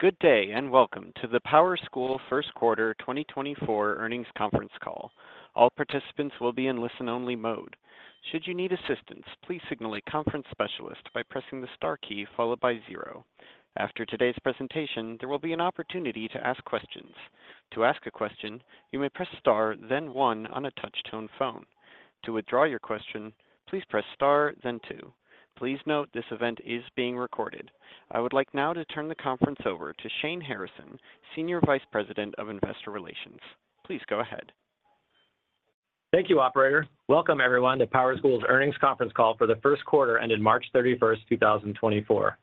Good day, and welcome to the PowerSchool First Quarter 2024 Earnings Conference Call. All participants will be in listen-only mode. Should you need assistance, please signal a conference specialist by pressing the star key followed by zero. After today's presentation, there will be an opportunity to ask questions. To ask a question, you may press star, then one on a touch-tone phone. To withdraw your question, please press star, then two. Please note, this event is being recorded. I would like now to turn the conference over to Shane Harrison, Senior Vice President of Investor Relations. Please go ahead. Thank you, operator. Welcome, everyone, to PowerSchool's Earnings Conference Call for the first quarter ended March 31, 2024.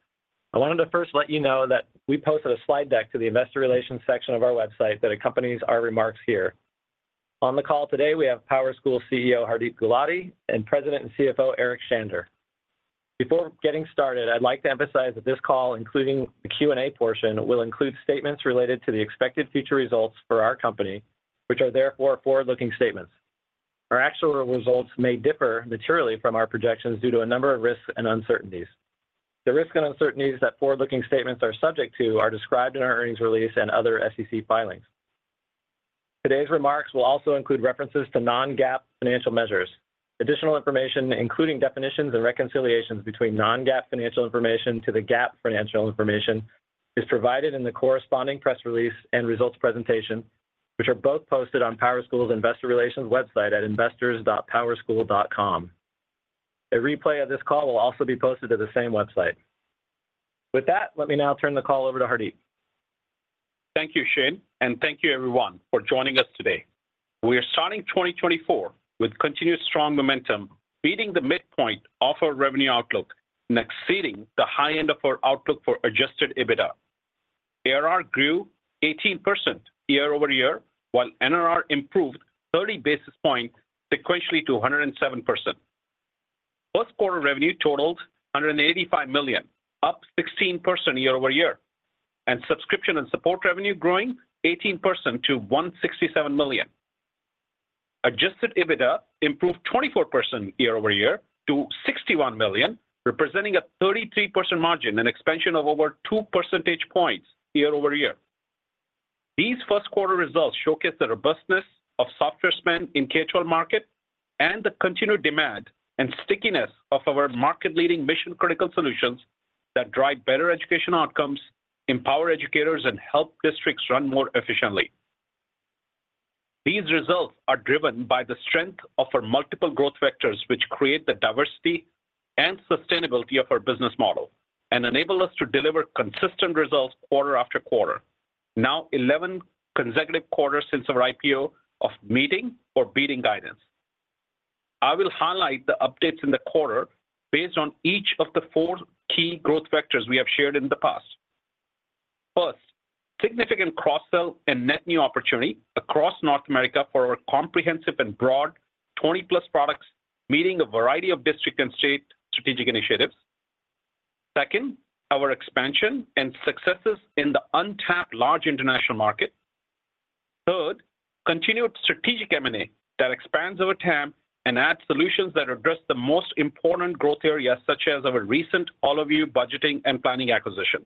I wanted to first let you know that we posted a slide deck to the investor relations section of our website that accompanies our remarks here. On the call today, we have PowerSchool CEO, Hardeep Gulati, and President and CFO, Eric Shander. Before getting started, I'd like to emphasize that this call, including the Q&A portion, will include statements related to the expected future results for our company, which are therefore forward-looking statements. Our actual results may differ materially from our projections due to a number of risks and uncertainties. The risks and uncertainties that forward-looking statements are subject to are described in our earnings release and other SEC filings. Today's remarks will also include references to non-GAAP financial measures. Additional information, including definitions and reconciliations between non-GAAP financial information to the GAAP financial information, is provided in the corresponding press release and results presentation, which are both posted on PowerSchool's Investor Relations website at investors.powerschool.com. A replay of this call will also be posted to the same website. With that, let me now turn the call over to Hardeep. Thank you, Shane, and thank you everyone for joining us today. We are starting 2024 with continuous strong momentum, beating the midpoint of our revenue outlook and exceeding the high end of our outlook for adjusted EBITDA. ARR grew 18% year-over-year, while NRR improved 30 basis points sequentially to 107%. First quarter revenue totaled $185 million, up 16% year-over-year, and subscription and support revenue growing 18% to $167 million. Adjusted EBITDA improved 24% year-over-year to $61 million, representing a 33% margin, an expansion of over 2 percentage points year-over-year. These first quarter results showcase the robustness of software spend in K-12 market and the continued demand and stickiness of our market-leading mission-critical solutions that drive better education outcomes, empower educators, and help districts run more efficiently. These results are driven by the strength of our multiple growth vectors, which create the diversity and sustainability of our business model and enable us to deliver consistent results quarter after quarter. Now, 11 consecutive quarters since our IPO of meeting or beating guidance. I will highlight the updates in the quarter based on each of the 4 key growth vectors we have shared in the past. First, significant cross-sell and net new opportunity across North America for our comprehensive and broad 20-plus products, meeting a variety of district and state strategic initiatives. Second, our expansion and successes in the untapped large international market. Third, continued strategic M&A that expands our TAM and adds solutions that address the most important growth areas, such as our recent Allovue budgeting and planning acquisition.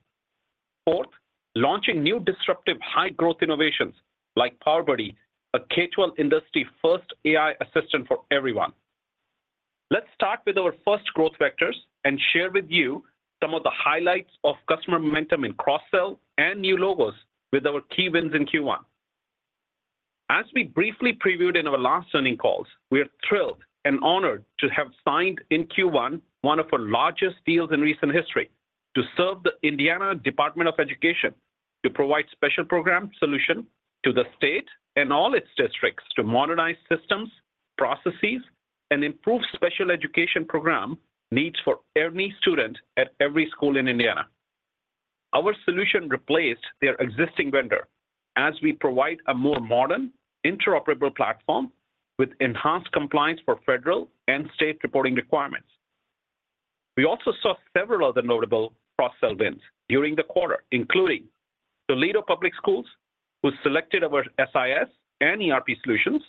Fourth, launching new disruptive high-growth innovations like PowerBuddy, a K-12 industry-first AI assistant for everyone. Let's start with our first growth vectors and share with you some of the highlights of customer momentum in cross-sell and new logos with our key wins in Q1. As we briefly previewed in our last earnings calls, we are thrilled and honored to have signed in Q1, one of our largest deals in recent history, to serve the Indiana Department of Education, to provide special program solution to the state and all its districts to modernize systems, processes, and improve special education program needs for every student at every school in Indiana. Our solution replaced their existing vendor as we provide a more modern, interoperable platform with enhanced compliance for federal and state reporting requirements. We also saw several other notable cross-sell wins during the quarter, including Toledo Public Schools, who selected our SIS and ERP solutions,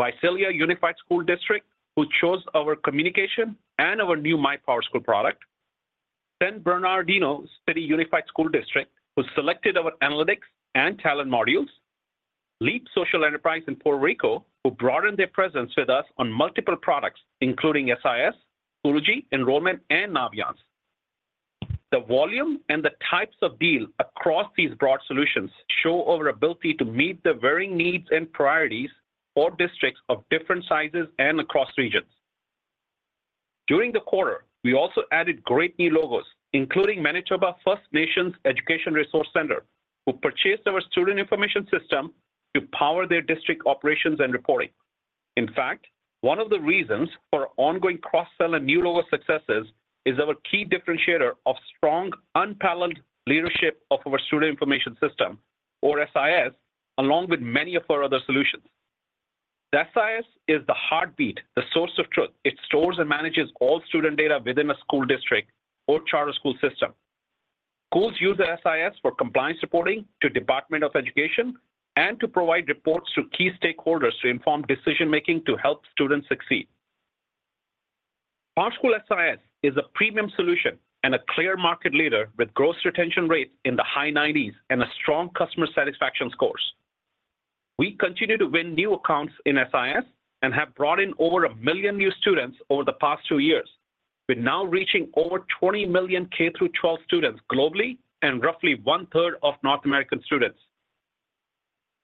Visalia Unified School District, who chose our communication and our new MyPowerSchool product. San Bernardino City Unified School District, who selected our analytics and talent modules. LEAP Social Enterprise in Puerto Rico, who broadened their presence with us on multiple products, including SIS, Schoology, Enrollment, and Naviance. The volume and the types of deals across these broad solutions show our ability to meet the varying needs and priorities for districts of different sizes and across regions. During the quarter, we also added great new logos, including Manitoba First Nations Education Resource Centre, who purchased our student information system to power their district operations and reporting. In fact, one of the reasons for ongoing cross-sell and new logo successes is our key differentiator of strong, unparalleled leadership of our student information system, or SIS, along with many of our other solutions. The SIS is the heartbeat, the source of truth. It stores and manages all student data within a school district or charter school system. Schools use the SIS for compliance reporting to Department of Education and to provide reports to key stakeholders to inform decision-making to help students succeed.... PowerSchool SIS is a premium solution and a clear market leader with gross retention rates in the high 90s and a strong customer satisfaction scores. We continue to win new accounts in SIS and have brought in over 1 million new students over the past two years. We're now reaching over 20 million K-12 students globally and roughly one-third of North American students.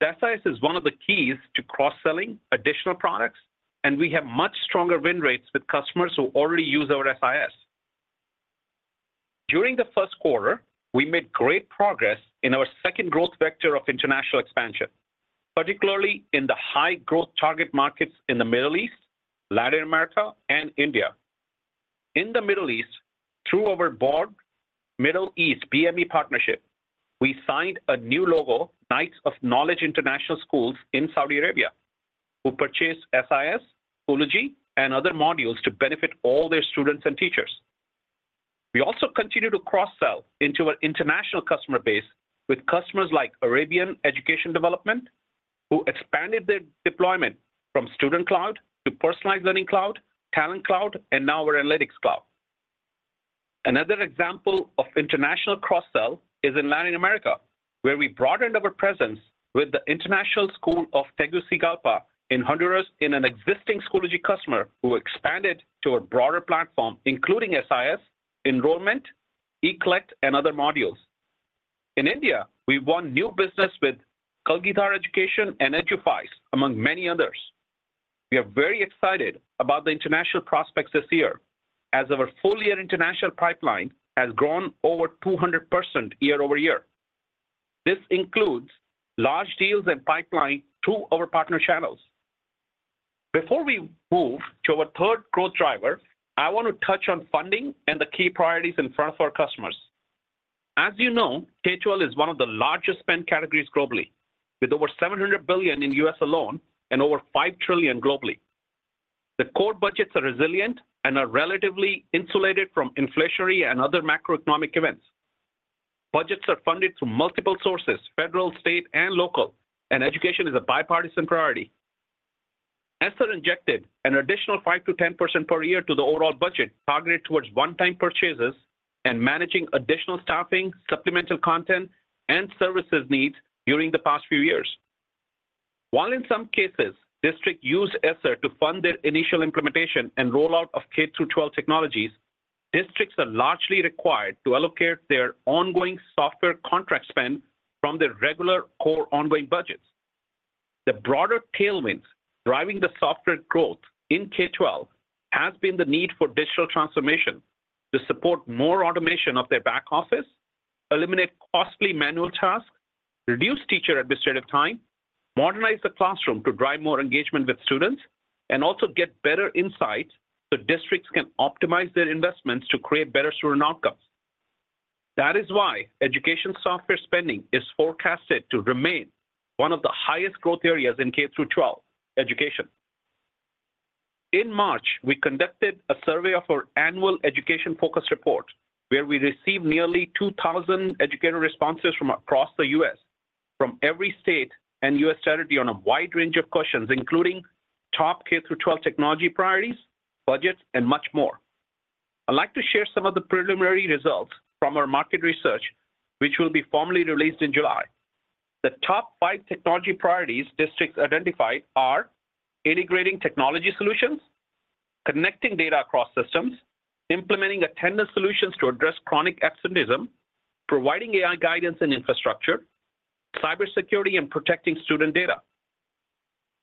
SIS is one of the keys to cross-selling additional products, and we have much stronger win rates with customers who already use our SIS. During the first quarter, we made great progress in our second growth vector of international expansion, particularly in the high growth target markets in the Middle East, Latin America, and India. In the Middle East, through our BME partnership, we signed a new logo, Knights of Knowledge International Schools in Saudi Arabia, who purchased SIS, Schoology, and other modules to benefit all their students and teachers. We also continue to cross-sell into an international customer base with customers like Arabian Education Development, who expanded their deployment from Student Cloud to Personalized Learning Cloud, Talent Cloud, and now our Analytics Cloud. Another example of international cross-sell is in Latin America, where we broadened our presence with the International School of Tegucigalpa in Honduras, an existing Schoology customer, who expanded to a broader platform, including SIS, Enrollment, eCollect, and other modules. In India, we won new business with Kalgidhar Education and Eduphise, among many others. We are very excited about the international prospects this year, as our full-year international pipeline has grown over 200% year-over-year. This includes large deals and pipeline through our partner channels. Before we move to our third growth driver, I want to touch on funding and the key priorities in front of our customers. As you know, K-12 is one of the largest spend categories globally, with over $700 billion in U.S. alone and over $5 trillion globally. The core budgets are resilient and are relatively insulated from inflationary and other macroeconomic events. Budgets are funded through multiple sources, federal, state, and local, and education is a bipartisan priority. ESSER injected an additional 5%-10% per year to the overall budget, targeted towards one-time purchases and managing additional staffing, supplemental content, and services needs during the past few years. While in some cases, districts used ESSER to fund their initial implementation and rollout of K-12 technologies, districts are largely required to allocate their ongoing software contract spend from their regular core ongoing budgets. The broader tailwinds driving the software growth in K-12 has been the need for digital transformation to support more automation of their back office, eliminate costly manual tasks, reduce teacher administrative time, modernize the classroom to drive more engagement with students, and also get better insight so districts can optimize their investments to create better student outcomes. That is why education software spending is forecasted to remain one of the highest growth areas in K-12 education. In March, we conducted a survey of our annual Education Focus Report, where we received nearly 2,000 educator responses from across the U.S., from every state and U.S. territory on a wide range of questions, including top K-12 technology priorities, budgets, and much more. I'd like to share some of the preliminary results from our market research, which will be formally released in July. The top five technology priorities districts identified are integrating technology solutions, connecting data across systems, implementing attendance solutions to address chronic absenteeism, providing AI guidance and infrastructure, cybersecurity and protecting student data.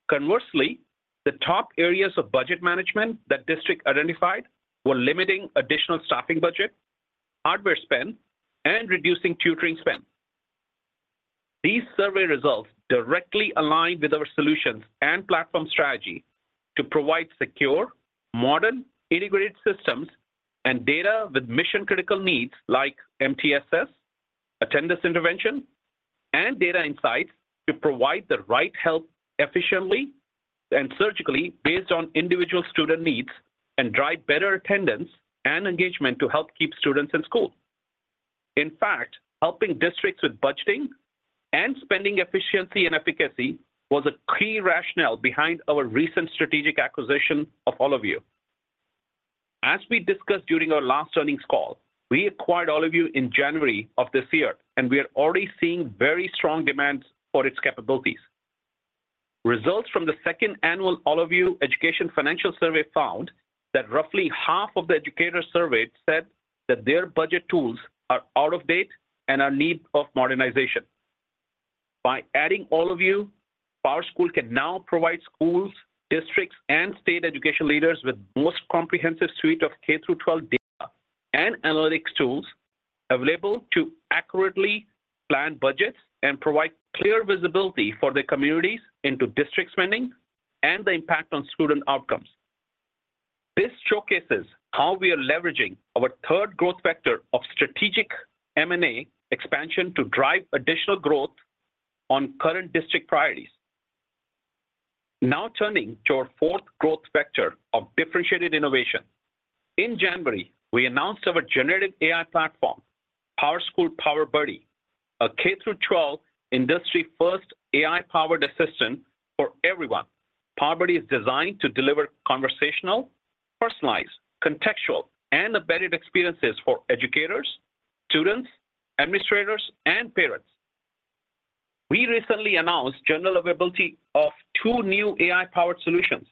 Conversely, the top areas of budget management that districts identified were limiting additional staffing budget, hardware spend, and reducing tutoring spend. These survey results directly align with our solutions and platform strategy to provide secure, modern, integrated systems and data with mission-critical needs like MTSS, attendance intervention, and data insights to provide the right help efficiently and surgically based on individual student needs, and drive better attendance and engagement to help keep students in school. In fact, helping districts with budgeting and spending efficiency and efficacy was a key rationale behind our recent strategic acquisition of Allovue. As we discussed during our last earnings call, we acquired Allovue in January of this year, and we are already seeing very strong demand for its capabilities. Results from the second annual Allovue Education Financial Survey found that roughly half of the educators surveyed said that their budget tools are out of date and are in need of modernization. By adding Allovue, PowerSchool can now provide schools, districts, and state education leaders with the most comprehensive suite of K-12 data and analytics tools available to accurately plan budgets and provide clear visibility for the communities into district spending and the impact on student outcomes. This showcases how we are leveraging our third growth vector of strategic M&A expansion to drive additional growth on current district priorities. Now, turning to our fourth growth vector of differentiated innovation. In January, we announced our generative AI platform.... PowerSchool PowerBuddy, a K-12 industry-first AI-powered assistant for everyone. PowerBuddy is designed to deliver conversational, personalized, contextual, and embedded experiences for educators, students, administrators, and parents. We recently announced general availability of two new AI-powered solutions,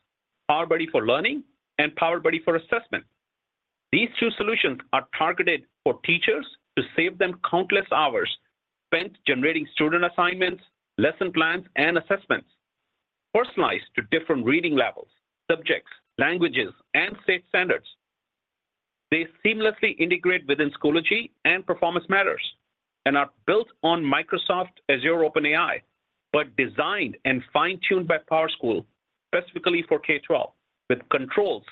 PowerBuddy for Learning and PowerBuddy for Assessment. These two solutions are targeted for teachers to save them countless hours spent generating student assignments, lesson plans, and assessments, personalized to different reading levels, subjects, languages, and state standards. They seamlessly integrate within Schoology and Performance Matters and are built on Microsoft Azure OpenAI, but designed and fine-tuned by PowerSchool specifically for K-12, with controls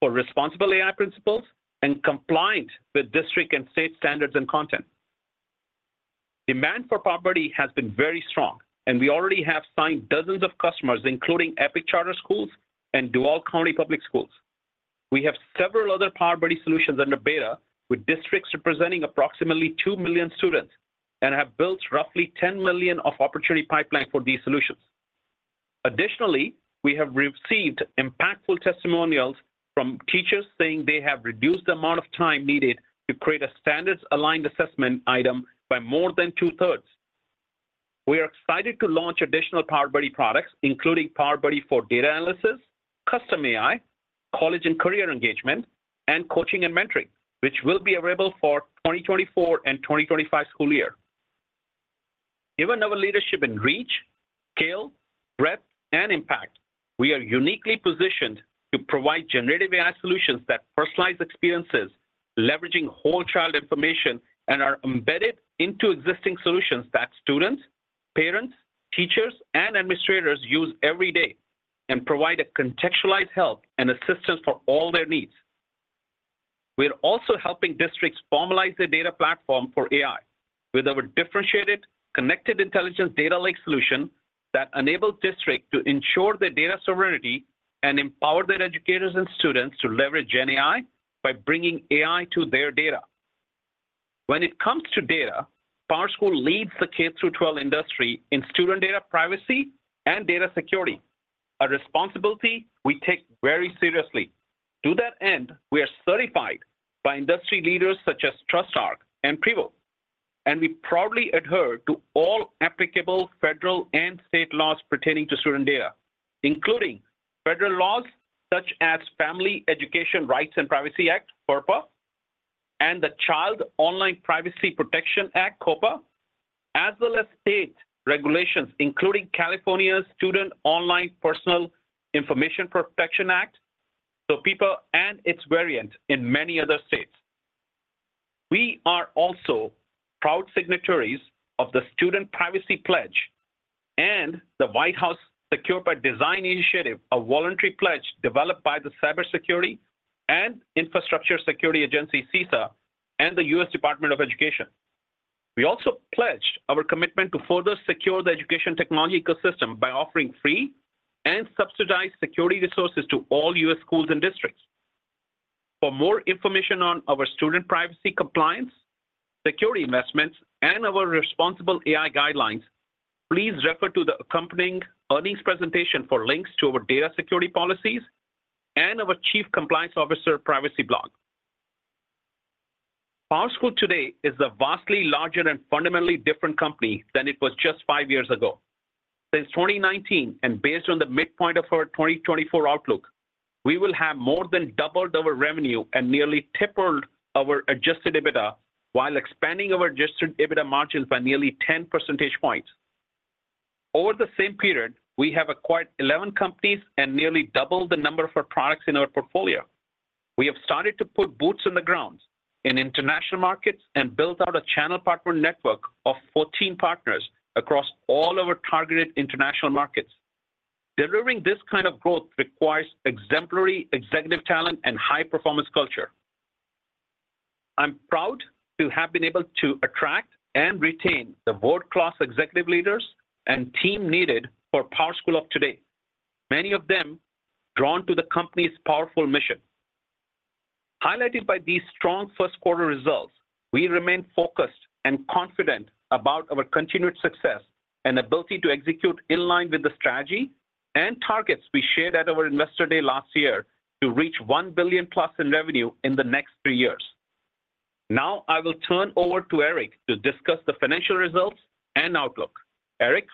for responsible AI principles and compliant with district and state standards and content. Demand for PowerBuddy has been very strong, and we already have signed dozens of customers, including Epic Charter Schools and Duval County Public Schools. We have several other PowerBuddy solutions under beta, with districts representing approximately 2 million students and have built roughly 10 million of opportunity pipeline for these solutions. Additionally, we have received impactful testimonials from teachers saying they have reduced the amount of time needed to create a standards-aligned assessment item by more than two-thirds. We are excited to launch additional PowerBuddy products, including PowerBuddy for Data Analysis, Custom AI, College and Career Engagement, and Coaching and Mentoring, which will be available for 2024 and 2025 school year. Given our leadership in reach, scale, breadth, and impact, we are uniquely positioned to provide generative AI solutions that personalize experiences, leveraging whole child information, and are embedded into existing solutions that students, parents, teachers, and administrators use every day, and provide a contextualized help and assistance for all their needs. We are also helping districts formalize their data platform for AI with our differentiated, Connected Intelligence data lake solution that enables districts to ensure their data sovereignty and empower their educators and students to leverage GenAI by bringing AI to their data. When it comes to data, PowerSchool leads the K-12 industry in student data privacy and data security, a responsibility we take very seriously. To that end, we are certified by industry leaders such as TrustArc and PRIVO, and we proudly adhere to all applicable federal and state laws pertaining to student data, including federal laws such as Family Educational Rights and Privacy Act, FERPA, and the Children's Online Privacy Protection Act, COPPA, as well as state regulations, including California's Student Online Personal Information Protection Act, SOPIPA, and its variants in many other states. We are also proud signatories of the Student Privacy Pledge and the White House Secure by Design initiative, a voluntary pledge developed by the Cybersecurity and Infrastructure Security Agency, CISA, and the U.S. Department of Education. We also pledged our commitment to further secure the education technology ecosystem by offering free and subsidized security resources to all U.S. schools and districts. For more information on our student privacy compliance, security investments, and our responsible AI guidelines, please refer to the accompanying earnings presentation for links to our data security policies and our Chief Compliance Officer privacy blog. PowerSchool today is a vastly larger and fundamentally different company than it was just five years ago. Since 2019, and based on the midpoint of our 2024 outlook, we will have more than doubled our revenue and nearly tripled our adjusted EBITDA while expanding our adjusted EBITDA margins by nearly 10 percentage points. Over the same period, we have acquired 11 companies and nearly doubled the number of our products in our portfolio. We have started to put boots on the ground in international markets and built out a channel partner network of 14 partners across all our targeted international markets. Delivering this kind of growth requires exemplary executive talent and high-performance culture. I'm proud to have been able to attract and retain the world-class executive leaders and team needed for PowerSchool of today, many of them drawn to the company's powerful mission. Highlighted by these strong first quarter results, we remain focused and confident about our continued success and ability to execute in line with the strategy and targets we shared at our Investor Day last year to reach $1 billion plus in revenue in the next three years. Now, I will turn over to Eric to discuss the financial results and outlook. Eric?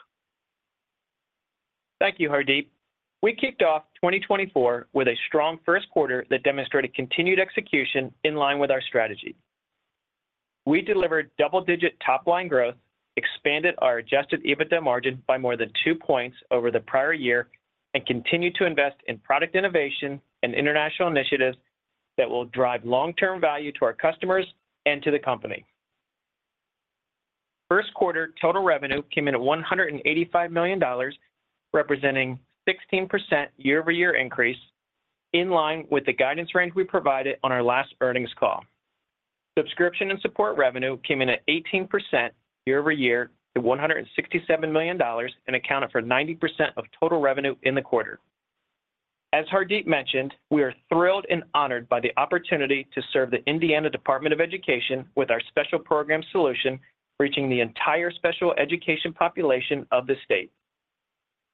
Thank you, Hardeep. We kicked off 2024 with a strong first quarter that demonstrated continued execution in line with our strategy. We delivered double-digit top-line growth, expanded our adjusted EBITDA margin by more than 2 points over the prior year, and continued to invest in product innovation and international initiatives that will drive long-term value to our customers and to the company. First quarter total revenue came in at $185 million, representing 16% year-over-year increase, in line with the guidance range we provided on our last earnings call. Subscription and support revenue came in at 18% year-over-year to $167 million and accounted for 90% of total revenue in the quarter.... As Hardeep mentioned, we are thrilled and honored by the opportunity to serve the Indiana Department of Education with our special program solution, reaching the entire special education population of the state.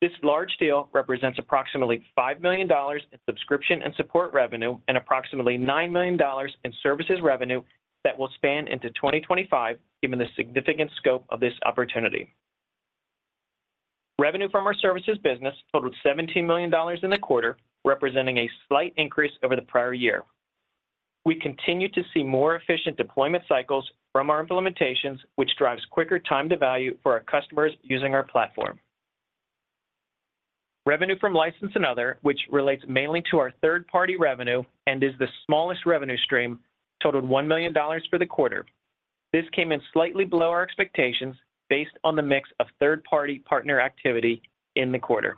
This large deal represents approximately $5 million in subscription and support revenue, and approximately $9 million in services revenue that will span into 2025, given the significant scope of this opportunity. Revenue from our services business totaled $17 million in the quarter, representing a slight increase over the prior year. We continue to see more efficient deployment cycles from our implementations, which drives quicker time to value for our customers using our platform. Revenue from license and other, which relates mainly to our third-party revenue and is the smallest revenue stream, totaled $1 million for the quarter. This came in slightly below our expectations, based on the mix of third-party partner activity in the quarter.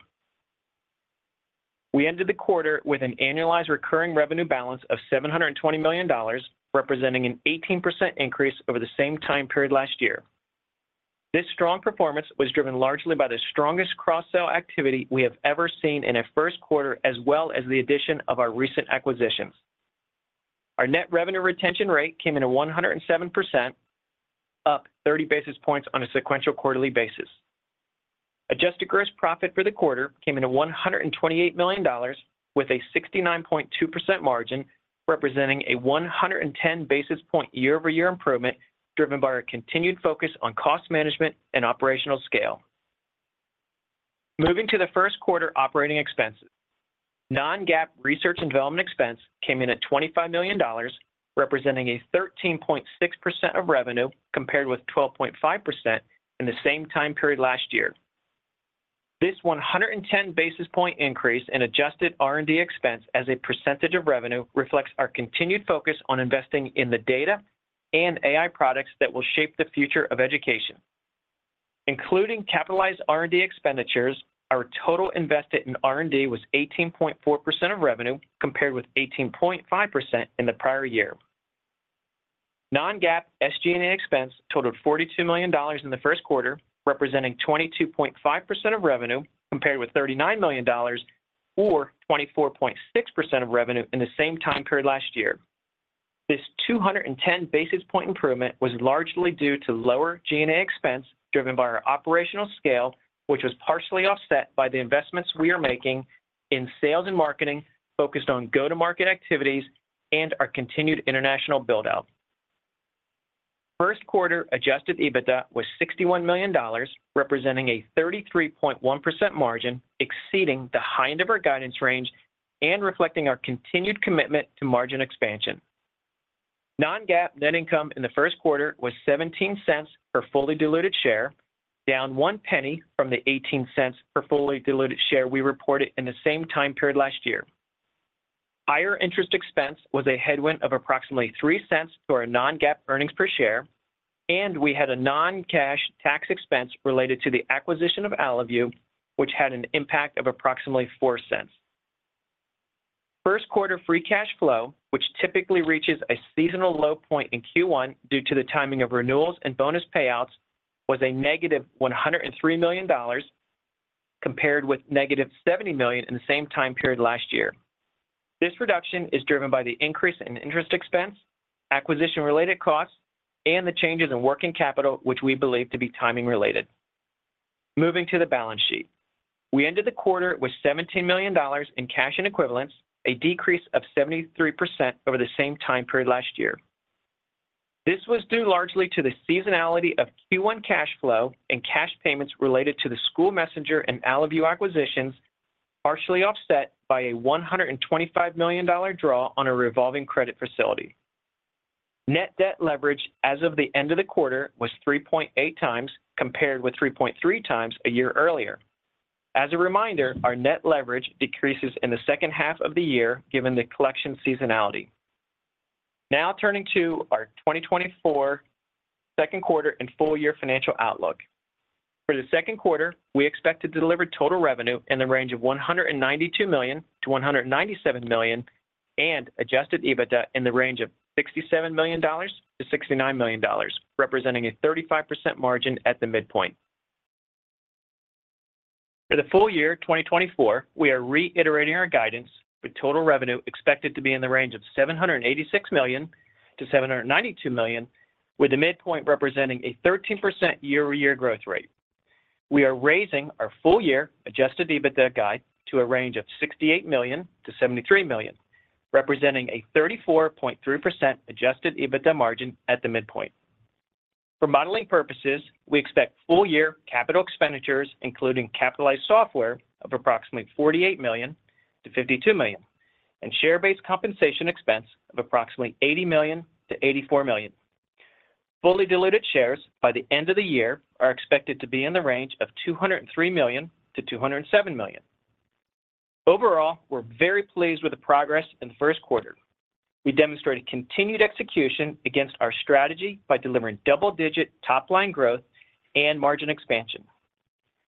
We ended the quarter with an annualized recurring revenue balance of $720 million, representing an 18% increase over the same time period last year. This strong performance was driven largely by the strongest cross-sell activity we have ever seen in a first quarter, as well as the addition of our recent acquisitions. Our net revenue retention rate came in at 107%, up 30 basis points on a sequential quarterly basis. Adjusted gross profit for the quarter came in at $128 million, with a 69.2% margin, representing a 110 basis point year-over-year improvement, driven by our continued focus on cost management and operational scale. Moving to the first quarter operating expenses. Non-GAAP research and development expense came in at $25 million, representing 13.6% of revenue, compared with 12.5% in the same time period last year. This 110 basis point increase in adjusted R&D expense as a percentage of revenue reflects our continued focus on investing in the data and AI products that will shape the future of education. Including capitalized R&D expenditures, our total invested in R&D was 18.4% of revenue, compared with 18.5% in the prior year. Non-GAAP SG&A expense totaled $42 million in the first quarter, representing 22.5% of revenue, compared with $39 million, or 24.6% of revenue in the same time period last year. This 210 basis points improvement was largely due to lower G&A expense, driven by our operational scale, which was partially offset by the investments we are making in sales and marketing, focused on go-to-market activities and our continued international build-out. First quarter adjusted EBITDA was $61 million, representing a 33.1% margin, exceeding the high end of our guidance range and reflecting our continued commitment to margin expansion. Non-GAAP net income in the first quarter was $0.17 per fully diluted share, down $0.01 from the $0.18 per fully diluted share we reported in the same time period last year. Higher interest expense was a headwind of approximately $0.03 to our non-GAAP earnings per share, and we had a non-cash tax expense related to the acquisition of Allovue, which had an impact of approximately $0.04. First quarter free cash flow, which typically reaches a seasonal low point in Q1 due to the timing of renewals and bonus payouts, was negative $103 million, compared with negative $70 million in the same time period last year. This reduction is driven by the increase in interest expense, acquisition-related costs, and the changes in working capital, which we believe to be timing related. Moving to the balance sheet. We ended the quarter with $17 million in cash and equivalents, a decrease of 73% over the same time period last year. This was due largely to the seasonality of Q1 cash flow and cash payments related to the SchoolMessenger and Allovue acquisitions, partially offset by a $125 million draw on a revolving credit facility. Net debt leverage as of the end of the quarter was 3.8 times, compared with 3.3 times a year earlier. As a reminder, our net leverage decreases in the second half of the year, given the collection seasonality. Now turning to our 2024 second quarter and full year financial outlook. For the second quarter, we expect to deliver total revenue in the range of $192 million-$197 million, and adjusted EBITDA in the range of $67 million-$69 million, representing a 35% margin at the midpoint. For the full year 2024, we are reiterating our guidance, with total revenue expected to be in the range of $786 million-$792 million, with the midpoint representing a 13% year-over-year growth rate. We are raising our full-year adjusted EBITDA guide to a range of $68 million-$73 million, representing a 34.3% adjusted EBITDA margin at the midpoint. For modeling purposes, we expect full-year capital expenditures, including capitalized software, of approximately $48 million-$52 million, and share-based compensation expense of approximately $80 million-$84 million. Fully diluted shares by the end of the year are expected to be in the range of 203 million-207 million. Overall, we're very pleased with the progress in the first quarter. We demonstrated continued execution against our strategy by delivering double-digit top-line growth and margin expansion.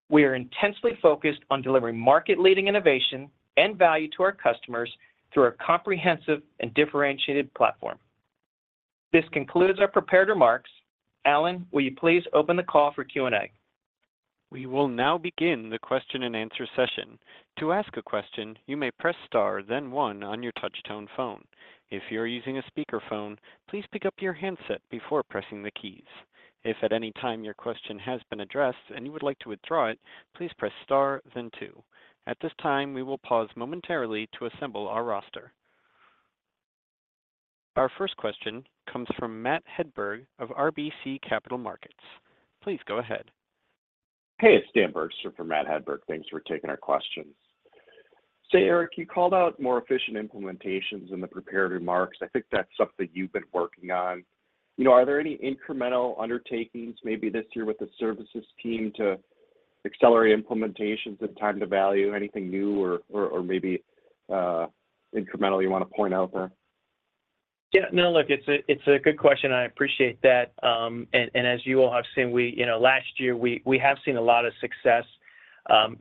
We are intensely focused on delivering market-leading innovation and value to our customers through our comprehensive and differentiated platform.... This concludes our prepared remarks. Alan, will you please open the call for Q&A? We will now begin the question and answer session. To ask a question, you may press star, then one on your touchtone phone. If you're using a speakerphone, please pick up your handset before pressing the keys. If at any time your question has been addressed and you would like to withdraw it, please press star then two. At this time, we will pause momentarily to assemble our roster. Our first question comes from Matt Hedberg of RBC Capital Markets. Please go ahead. Hey, it's Dan Bergstrom for Matt Hedberg. Thanks for taking our questions. So, Eric, you called out more efficient implementations in the prepared remarks. I think that's something you've been working on. You know, are there any incremental undertakings maybe this year with the services team to accelerate implementations and time to value? Anything new or maybe incremental you want to point out there? Yeah, no, look, it's a good question. I appreciate that. And as you all have seen, we, you know, last year, we have seen a lot of success.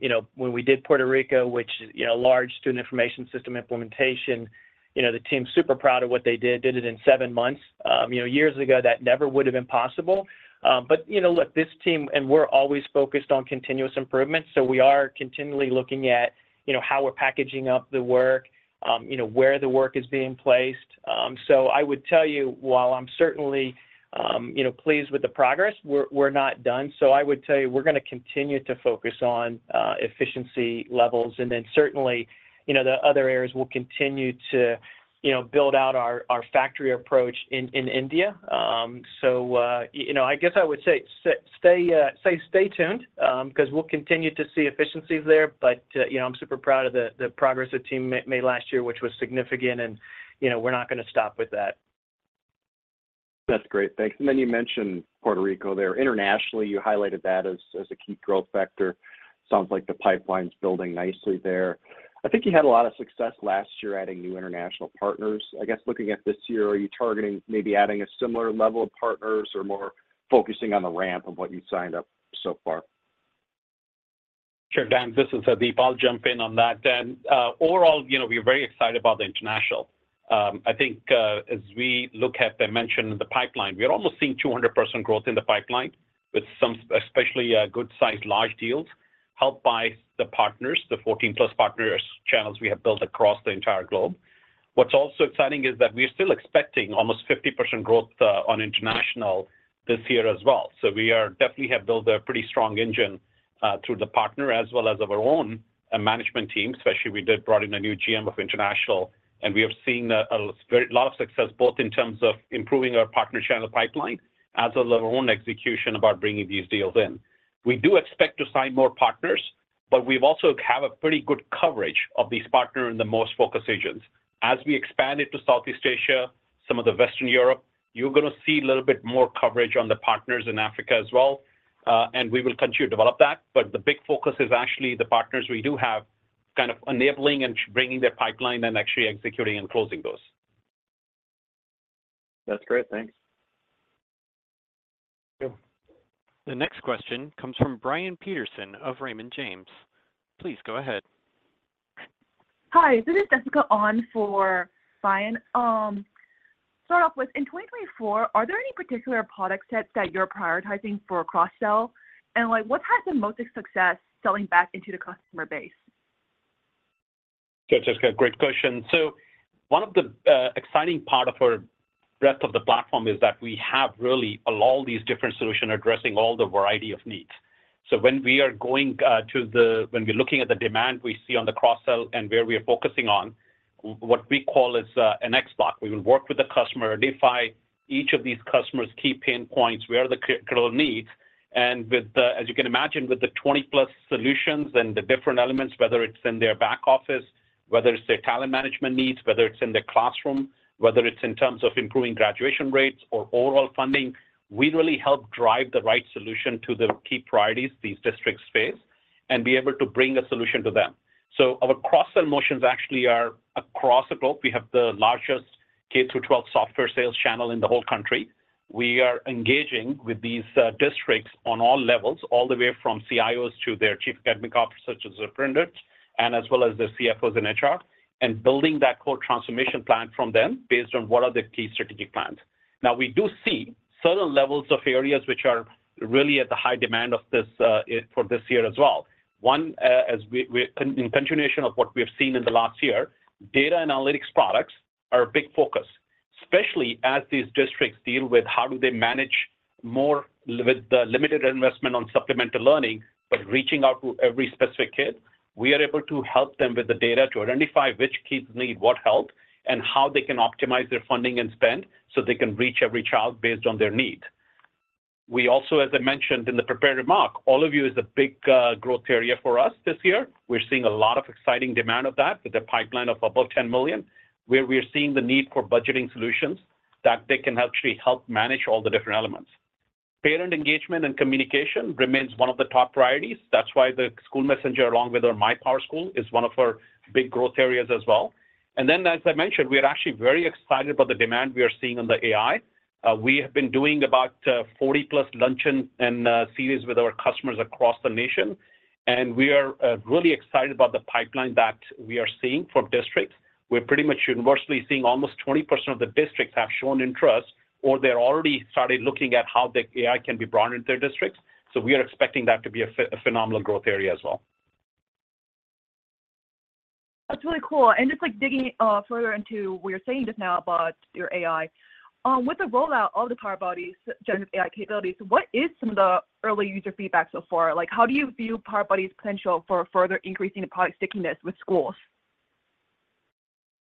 You know, when we did Puerto Rico, which, you know, large student information system implementation, you know, the team's super proud of what they did. Did it in seven months. You know, years ago, that never would have been possible. But, you know, look, this team, and we're always focused on continuous improvement, so we are continually looking at, you know, how we're packaging up the work, you know, where the work is being placed. So I would tell you, while I'm certainly, you know, pleased with the progress, we're not done. So I would tell you, we're gonna continue to focus on efficiency levels, and then certainly, you know, the other areas will continue to, you know, build out our factory approach in India. So, you know, I guess I would say, stay tuned, 'cause we'll continue to see efficiencies there. But, you know, I'm super proud of the progress the team made last year, which was significant, and, you know, we're not gonna stop with that. That's great. Thanks. And then you mentioned Puerto Rico there. Internationally, you highlighted that as, as a key growth factor. Sounds like the pipeline's building nicely there. I think you had a lot of success last year adding new international partners. I guess, looking at this year, are you targeting maybe adding a similar level of partners or more focusing on the ramp of what you signed up so far? Sure, Dan, this is. I'll jump in on that then. Overall, you know, we're very excited about the international. I think, as we look at the mention of the pipeline, we are almost seeing 200% growth in the pipeline with some especially good-sized large deals, helped by the partners, the 14+ partners channels we have built across the entire globe. What's also exciting is that we are still expecting almost 50% growth on international this year as well. So we are definitely have built a pretty strong engine through the partner as well as of our own management team. Especially, we did brought in a new GM of international, and we have seen a very lot of success, both in terms of improving our partner channel pipeline, as well as our own execution about bringing these deals in. We do expect to sign more partners, but we've also have a pretty good coverage of these partner in the most focused agents. As we expand it to Southeast Asia, some of the Eastern Europe, you're gonna see a little bit more coverage on the partners in Africa as well, and we will continue to develop that. But the big focus is actually the partners we do have, kind of enabling and bringing their pipeline and actually executing and closing those. That's great. Thanks. Thank you. The next question comes from Brian Peterson of Raymond James. Please go ahead. Hi, this is Jessica An for Brian. Start off with, in 2024, are there any particular product sets that you're prioritizing for cross-sell? And, like, what has the most success selling back into the customer base? Okay, Jessica, great question. So one of the exciting part of our breadth of the platform is that we have really all these different solution addressing all the variety of needs. So when we're looking at the demand we see on the cross-sell and where we are focusing on, what we call is an X block. We will work with the customer, identify each of these customers' key pain points, where are the critical needs, and with the, as you can imagine, with the 20-plus solutions and the different elements, whether it's in their back office, whether it's their talent management needs, whether it's in their classroom, whether it's in terms of improving graduation rates or overall funding, we really help drive the right solution to the key priorities these districts face and be able to bring a solution to them. So our cross-sell motions actually are across the globe. We have the largest K-12 software sales channel in the whole country. We are engaging with these districts on all levels, all the way from CIOs to their chief academic officers, such as the principals, and as well as the CFOs and HR, and building that core transformation plan from them based on what are the key strategic plans. Now, we do see certain levels of areas which are really at the high demand of this for this year as well. One, as we in continuation of what we have seen in the last year, data analytics products are a big focus, especially as these districts deal with how do they manage more with the limited investment on supplemental learning, but reaching out to every specific kid, we are able to help them with the data to identify which kids need what help and how they can optimize their funding and spend, so they can reach every child based on their need. We also, as I mentioned in the prepared remarks, Allovue is a big growth area for us this year. We're seeing a lot of exciting demand of that with a pipeline of above $10 million, where we are seeing the need for budgeting solutions that they can actually help manage all the different elements. Parent engagement and communication remains one of the top priorities. That's why SchoolMessenger, along with our MyPowerSchool, is one of our big growth areas as well. And then, as I mentioned, we are actually very excited about the demand we are seeing on the AI. We have been doing about 40-plus luncheon and series with our customers across the nation, and we are really excited about the pipeline that we are seeing from districts.... We're pretty much universally seeing almost 20% of the districts have shown interest, or they're already started looking at how the AI can be brought into their districts. So we are expecting that to be a phenomenal growth area as well. That's really cool. And just, like, digging further into what you're saying just now about your AI. With the rollout of the PowerBuddy's generative AI capabilities, what is some of the early user feedback so far? Like, how do you view PowerBuddy's potential for further increasing the product stickiness with schools?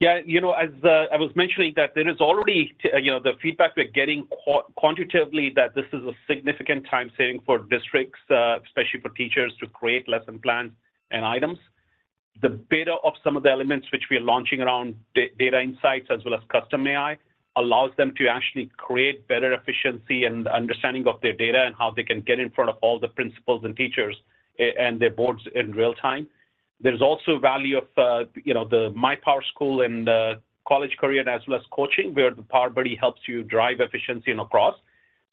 Yeah, you know, as I was mentioning, that there is already, you know, the feedback we're getting quantitatively, that this is a significant time saving for districts, especially for teachers, to create lesson plans and items. The beta of some of the elements which we are launching around Data Insights as well as custom AI, allows them to actually create better efficiency and understanding of their data and how they can get in front of all the principals and teachers and their boards in real time. There's also value of, you know, the MyPowerSchool and the college career as well as coaching, where the PowerBuddy helps you drive efficiency in across.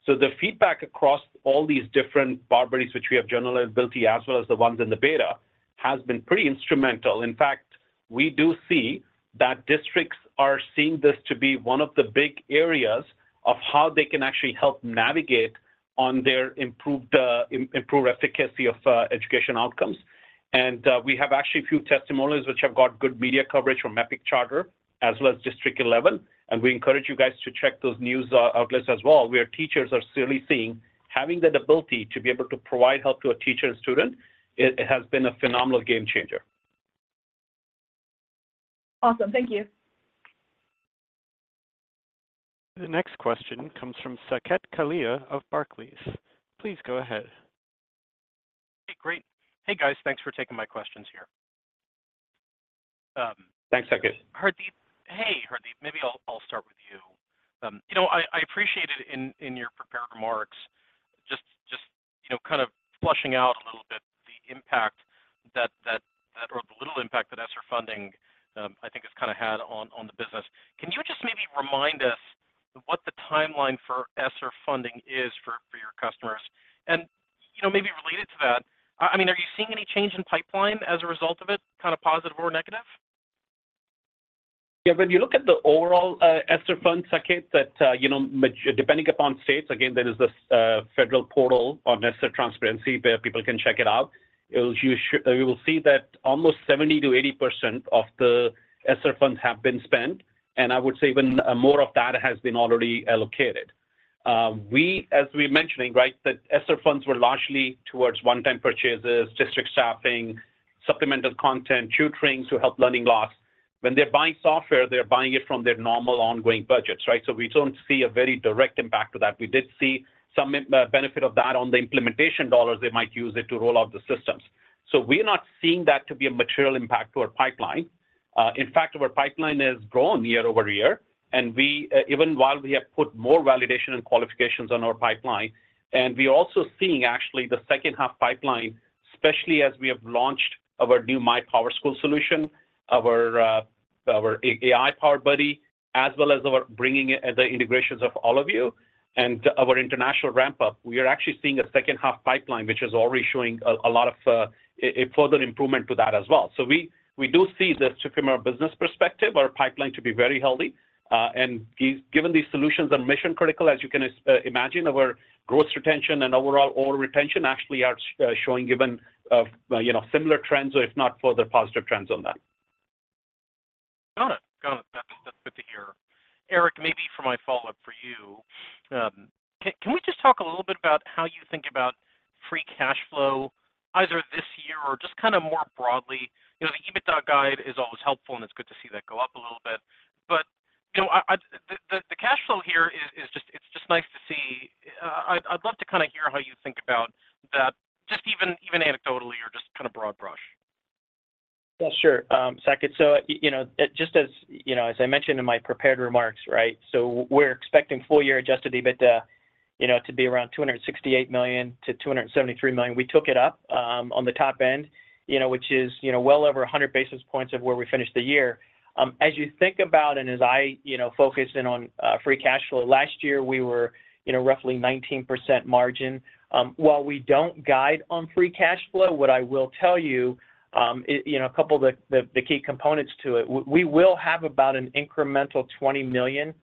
So the feedback across all these different PowerBuddies, which we have generative ability as well as the ones in the beta, has been pretty instrumental. In fact, we do see that districts are seeing this to be one of the big areas of how they can actually help navigate on their improved efficacy of education outcomes. We have actually a few testimonials which have got good media coverage from Epic Charter as well as District 11, and we encourage you guys to check those news outlets as well, where teachers are really seeing having that ability to be able to provide help to a teacher and student, it has been a phenomenal game changer. Awesome. Thank you. The next question comes from Saket Kalia of Barclays. Please go ahead. Hey, great. Hey, guys. Thanks for taking my questions here. Thanks, Saket. Hardeep. Hey, Hardeep, maybe I'll, I'll start with you. You know, I appreciated in your prepared remarks, just, you know, kind of flushing out a little bit the impact that or the little impact that ESSER funding, I think, has kinda had on the business. Can you just maybe remind us what the timeline for ESSER funding is for your customers? And, you know, maybe related to that, I mean, are you seeing any change in pipeline as a result of it, kinda positive or negative? Yeah, when you look at the overall, ESSER fund, Saket, that, you know, depending upon states, again, there is this, federal portal on ESSER transparency, where people can check it out. You will see that almost 70%-80% of the ESSER funds have been spent, and I would say even more of that has been already allocated. We, as we're mentioning, right, that ESSER funds were largely towards one-time purchases, district staffing, supplemental content, tutoring to help learning loss. When they're buying software, they're buying it from their normal ongoing budgets, right? So we don't see a very direct impact to that. We did see some, benefit of that on the implementation dollars they might use it to roll out the systems. So we're not seeing that to be a material impact to our pipeline. In fact, our pipeline has grown year-over-year, and we even while we have put more validation and qualifications on our pipeline, and we're also seeing actually the second-half pipeline, especially as we have launched our new MyPowerSchool solution, our our AI PowerBuddy, as well as our bringing the integrations of Allovue and our international ramp-up. We are actually seeing a second-half pipeline, which is already showing a lot of further improvement to that as well. So we do see this, from a business perspective, our pipeline to be very healthy. And given these solutions are mission-critical, as you can imagine, our growth retention and overall order retention actually are showing, given you know, similar trends or if not, further positive trends on that. Got it. That's good to hear. Eric, maybe for my follow-up for you, can we just talk a little bit about how you think about free cash flow, either this year or just kinda more broadly? You know, the EBITDA guide is always helpful, and it's good to see that go up a little bit. But, you know, the cash flow here is just, it's just nice to see. I'd love to kinda hear how you think about that, just even anecdotally or just kinda broad brush. Yeah, sure. Saket, so, you know, just as, you know, as I mentioned in my prepared remarks, right? So we're expecting full year adjusted EBITDA, you know, to be around $268 million-$273 million. We took it up, on the top end, you know, which is, you know, well over 100 basis points of where we finished the year. As you think about and as I, you know, focus in on, free cash flow, last year, we were, you know, roughly 19% margin. While we don't guide on free cash flow, what I will tell you, you know, a couple of the key components to it, we will have about an incremental $20 million,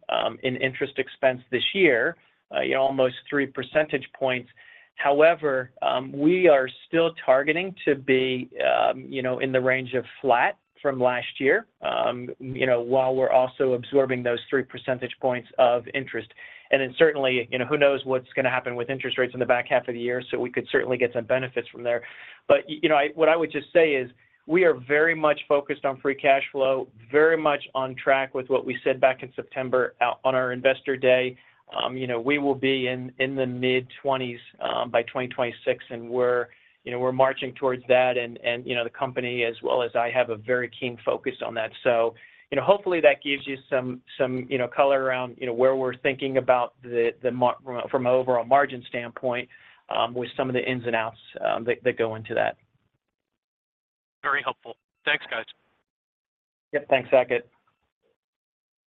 in interest expense this year, you know, almost three percentage points. However, we are still targeting to be, you know, in the range of flat from last year, you know, while we're also absorbing those three percentage points of interest. And then certainly, you know, who knows what's gonna happen with interest rates in the back half of the year, so we could certainly get some benefits from there. But, you know, what I would just say is, we are very much focused on free cash flow, very much on track with what we said back in September out on our Investor Day. You know, we will be in the mid-20s by 2026, and we're, you know, we're marching towards that. And, you know, the company as well as I have a very keen focus on that. You know, hopefully that gives you some color around where we're thinking about the margin from an overall margin standpoint, with some of the ins and outs that go into that. Very helpful. Thanks, guys. Yep. Thanks, Saket.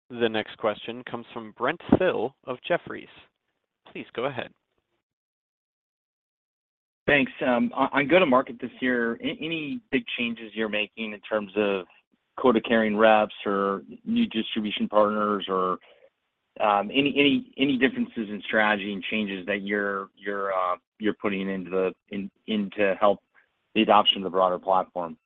The next question comes from Brent Thill of Jefferies. Please go ahead. ... Thanks. On go-to-market this year, any big changes you're making in terms of quota-carrying reps or new distribution partners or any differences in strategy and changes that you're putting in to help the adoption of the broader platform?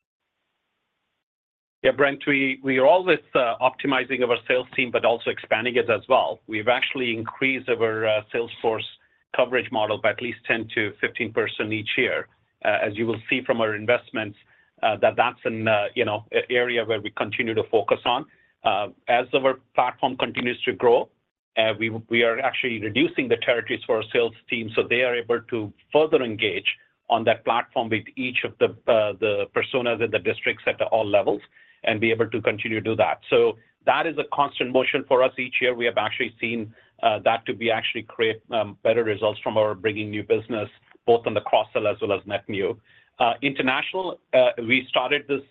Yeah, Brent, we are always optimizing our sales team but also expanding it as well. We've actually increased our sales force coverage model by at least 10%-15% each year. As you will see from our investments, that that's, you know, an area where we continue to focus on. As our platform continues to grow, we are actually reducing the territories for our sales team, so they are able to further engage on that platform with each of the personas and the districts at all levels and be able to continue to do that. So that is a constant motion for us each year. We have actually seen that to be actually create better results from our bringing new business, both on the cross-sell as well as net new. International, we started this,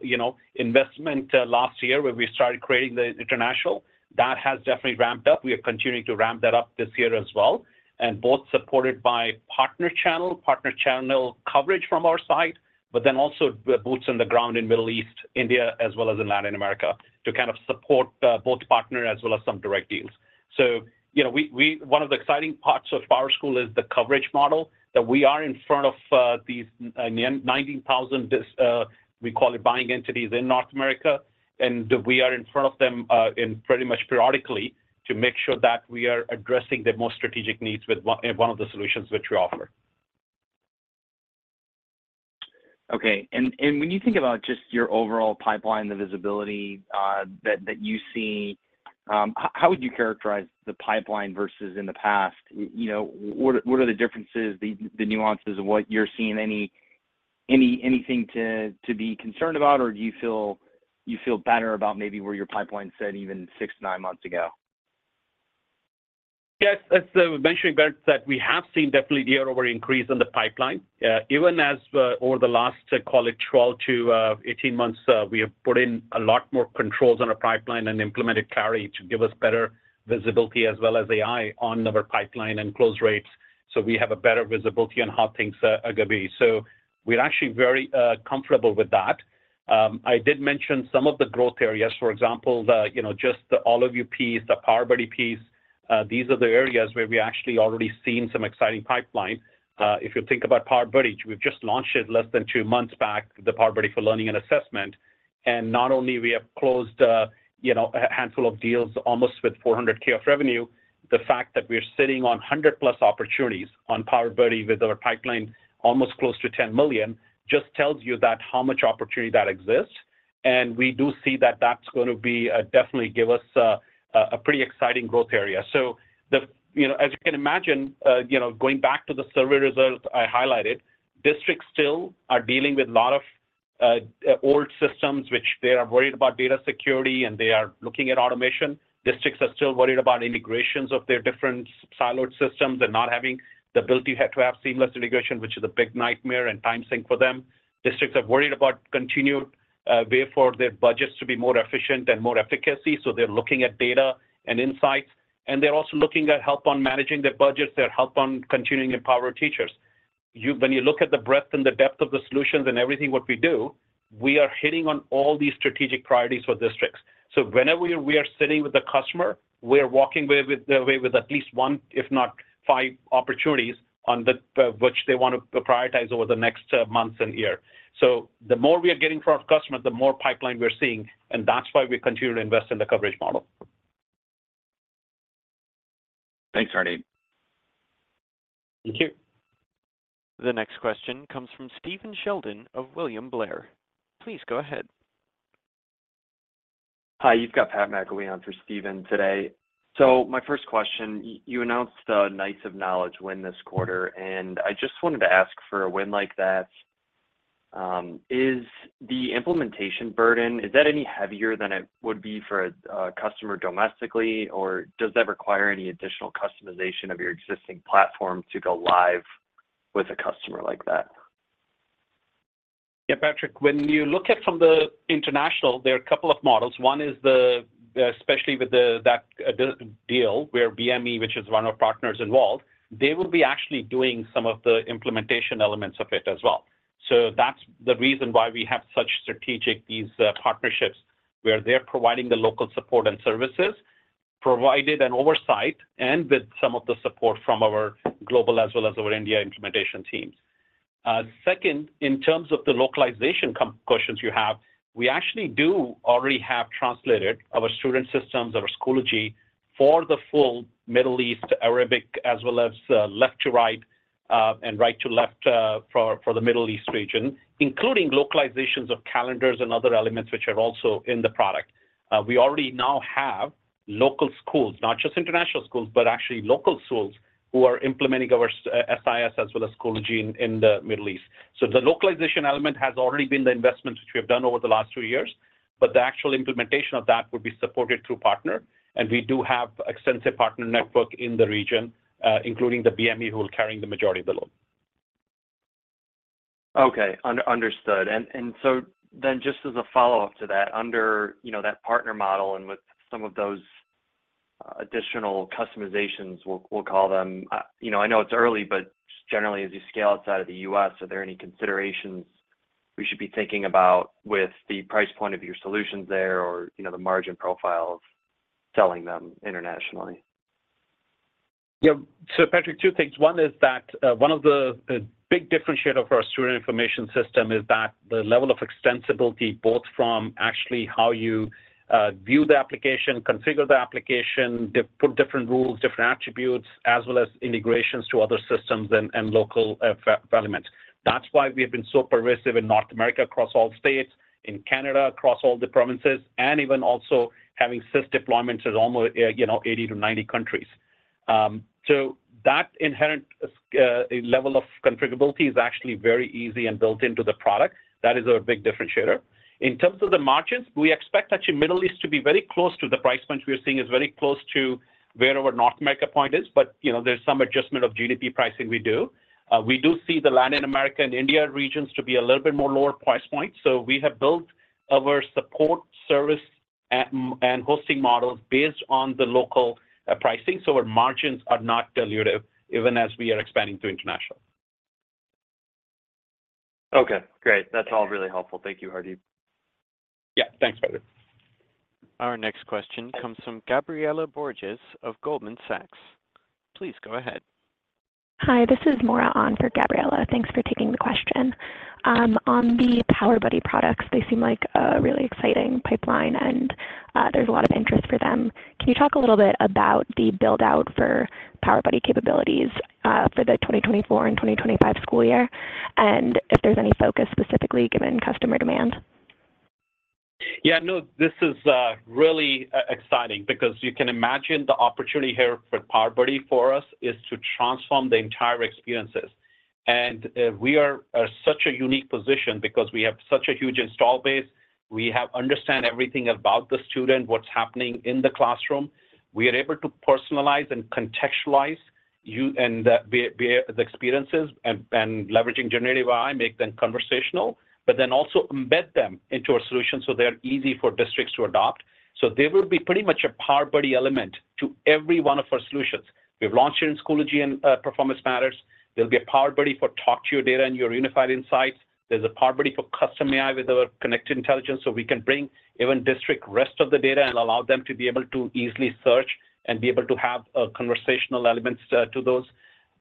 you know, investment last year, where we started creating the international. That has definitely ramped up. We are continuing to ramp that up this year as well, and both supported by partner channel, partner channel coverage from our side, but then also with boots on the ground in Middle East, India, as well as in Latin America, to kind of support both partner as well as some direct deals. So, you know, we—One of the exciting parts of PowerSchool is the coverage model, that we are in front of these 90,000 buying entities in North America, and we are in front of them in pretty much periodically to make sure that we are addressing their most strategic needs with one, one of the solutions which we offer. Okay. And when you think about just your overall pipeline, the visibility that you see, how would you characterize the pipeline versus in the past? You know, what are the differences, the nuances of what you're seeing? Anything to be concerned about, or do you feel you feel better about maybe where your pipeline sit even 6-9 months ago? Yes, as I mentioned, Brent, that we have seen definitely year-over-year increase in the pipeline. Even as, over the last, call it 12-18 months, we have put in a lot more controls on our pipeline and implemented Clari to give us better visibility as well as AI on our pipeline and close rates, so we have a better visibility on how things are gonna be. So we're actually very comfortable with that. I did mention some of the growth areas, for example, you know, just the Allovue piece, the PowerBuddy piece, these are the areas where we actually already seen some exciting pipeline. If you think about PowerBuddy, we've just launched it less than 2 months back, the PowerBuddy for learning and assessment. Not only we have closed, you know, a handful of deals almost with $400K of revenue, the fact that we are sitting on 100+ opportunities on PowerBuddy with our pipeline almost close to $10 million, just tells you that how much opportunity that exists. We do see that that's going to be definitely give us a pretty exciting growth area. You know, as you can imagine, you know, going back to the survey results I highlighted, districts still are dealing with a lot of old systems, which they are worried about data security, and they are looking at automation. Districts are still worried about integrations of their different siloed systems and not having the ability to have seamless integration, which is a big nightmare and time sink for them. Districts are worried about continued way for their budgets to be more efficient and more efficacy, so they're looking at data and insights, and they're also looking at help on managing their budgets, their help on continuing to empower teachers. When you look at the breadth and the depth of the solutions and everything, what we do, we are hitting on all these strategic priorities for districts. So whenever we are sitting with a customer, we are walking away with at least one, if not five, opportunities on the which they want to prioritize over the next months and year. So the more we are getting from our customers, the more pipeline we're seeing, and that's why we continue to invest in the coverage model. Thanks, Hardeep. Thank you. The next question comes from Steven Sheldon of William Blair. Please go ahead. Hi, you've got Pat McEleney on for Steven today. So my first question, you announced the Knights of Knowledge win this quarter, and I just wanted to ask for a win like that, is the implementation burden, is that any heavier than it would be for a customer domestically, or does that require any additional customization of your existing platform to go live with a customer like that? Yeah, Patrick, when you look at from the international, there are a couple of models. One is the, especially with the, that deal where BME, which is one of partners involved, they will be actually doing some of the implementation elements of it as well. So that's the reason why we have such strategic, these partnerships, where they're providing the local support and services, provided an oversight and with some of the support from our global as well as our India implementation teams. Second, in terms of the localization questions you have, we actually do already have translated our student systems, our Schoology, for the full Middle East Arabic, as well as left to right and right to left for the Middle East region, including localizations of calendars and other elements which are also in the product. We already now have local schools, not just international schools, but actually local schools, who are implementing our SIS as well as Schoology in the Middle East. So the localization element has already been the investment which we have done over the last two years, but the actual implementation of that would be supported through partner, and we do have extensive partner network in the region, including the BME, who are carrying the majority of the load. Okay, understood. And so then just as a follow-up to that, you know, that partner model and with some of those- ... additional customizations, we'll call them. You know, I know it's early, but just generally, as you scale outside of the U.S., are there any considerations we should be thinking about with the price point of your solutions there, or, you know, the margin profile of selling them internationally? Yeah. So Patrick, two things. One is that one of the big differentiator for our student information system is that the level of extensibility, both from actually how you view the application, configure the application, put different rules, different attributes, as well as integrations to other systems and local elements. That's why we have been so pervasive in North America across all states, in Canada, across all the provinces, and even also having SIS deployments in almost, you know, 80-90 countries. So that inherent level of configurability is actually very easy and built into the product. That is our big differentiator. In terms of the margins, we expect actually Middle East to be very close to the price point we are seeing is very close to wherever North America point is, but, you know, there's some adjustment of GDP pricing we do. We do see the Latin America and India regions to be a little bit more lower price point, so we have built our support, service, and hosting models based on the local pricing. So our margins are not dilutive even as we are expanding to international. Okay, great. That's all really helpful. Thank you, Hardeep. Yeah. Thanks, Patrick. Our next question comes from Gabriela Borges of Goldman Sachs. Please go ahead. Hi, this is Maura on for Gabriela. Thanks for taking the question. On the PowerBuddy products, they seem like a really exciting pipeline, and there's a lot of interest for them. Can you talk a little bit about the build-out for PowerBuddy capabilities for the 2024 and 2025 school year, and if there's any focus specifically given customer demand? Yeah, no, this is really exciting because you can imagine the opportunity here for PowerBuddy for us is to transform the entire experiences. We are at such a unique position because we have such a huge installed base, we understand everything about the student, what's happening in the classroom. We are able to personalize and contextualize and the experiences, and leveraging generative AI, make them conversational, but then also embed them into our solution so they are easy for districts to adopt. So there will be pretty much a PowerBuddy element to every one of our solutions. We've launched it in Schoology and Performance Matters. There'll be a PowerBuddy for Talk to Your Data and your Unified Insights. There's a PowerBuddy for Custom AI with our Connected Intelligence, so we can bring even district rest of the data and allow them to be able to easily search and be able to have conversational elements to those.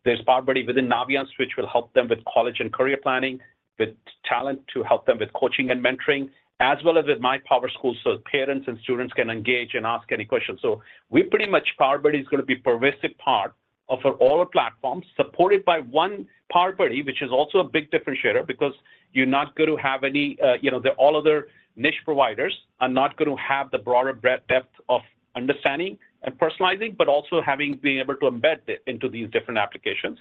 There's PowerBuddy within Naviance, which will help them with college and career planning, with talent to help them with coaching and mentoring, as well as with MyPowerSchool, so parents and students can engage and ask any questions. So we pretty much PowerBuddy is gonna be pervasive part of our all our platforms, supported by one PowerBuddy, which is also a big differentiator because you're not gonna have any, You know, the all other niche providers are not gonna have the broader bread-depth of understanding and personalizing, but also having being able to embed it into these different applications.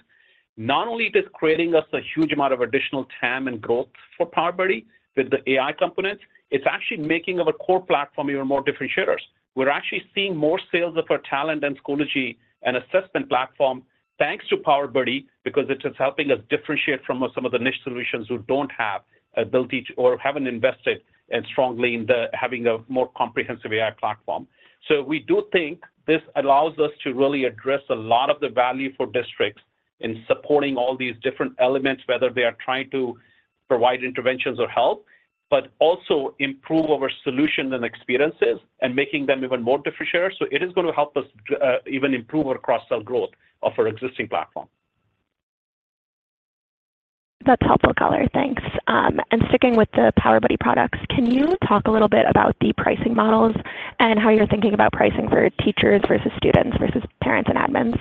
Not only is this creating us a huge amount of additional TAM and growth for PowerBuddy with the AI components, it's actually making our core platform even more differentiators. We're actually seeing more sales of our talent and Schoology and assessment platform, thanks to PowerBuddy, because it is helping us differentiate from some of the niche solutions who don't have a built-in AI or haven't invested strongly in having a more comprehensive AI platform. So we do think this allows us to really address a lot of the value for districts in supporting all these different elements, whether they are trying to provide interventions or help, but also improve our solution and experiences and making them even more differentiator. So it is gonna help us even improve our cross-sell growth of our existing platform. That's helpful, color. Thanks. And sticking with the PowerBuddy products, can you talk a little bit about the pricing models and how you're thinking about pricing for teachers versus students versus parents and admins?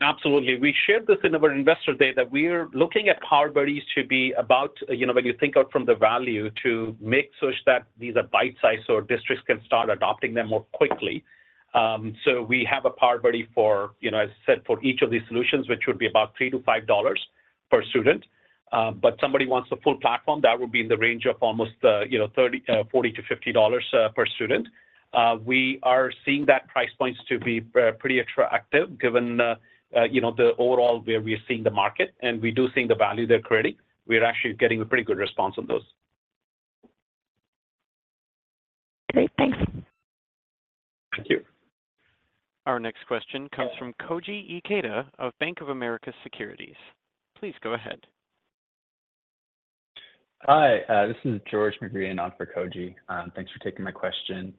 Absolutely. We shared this in our Investor Day, that we are looking at PowerBuddies to be about, you know, when you think of from the value, to make such that these are bite-sized, so districts can start adopting them more quickly. So we have a PowerBuddy for, you know, as I said, for each of these solutions, which would be about $3-$5 per student. But somebody wants a full platform, that would be in the range of almost, you know, 30, 40-50, per student. We are seeing that price points to be pretty attractive, given the, you know, the overall where we are seeing the market, and we do think the value they're creating. We're actually getting a pretty good response on those. Great. Thanks. Thank you. Our next question comes from Koji Ikeda of Bank of America Securities. Please go ahead. Hi, this is George McCree on for Koji. Thanks for taking my question.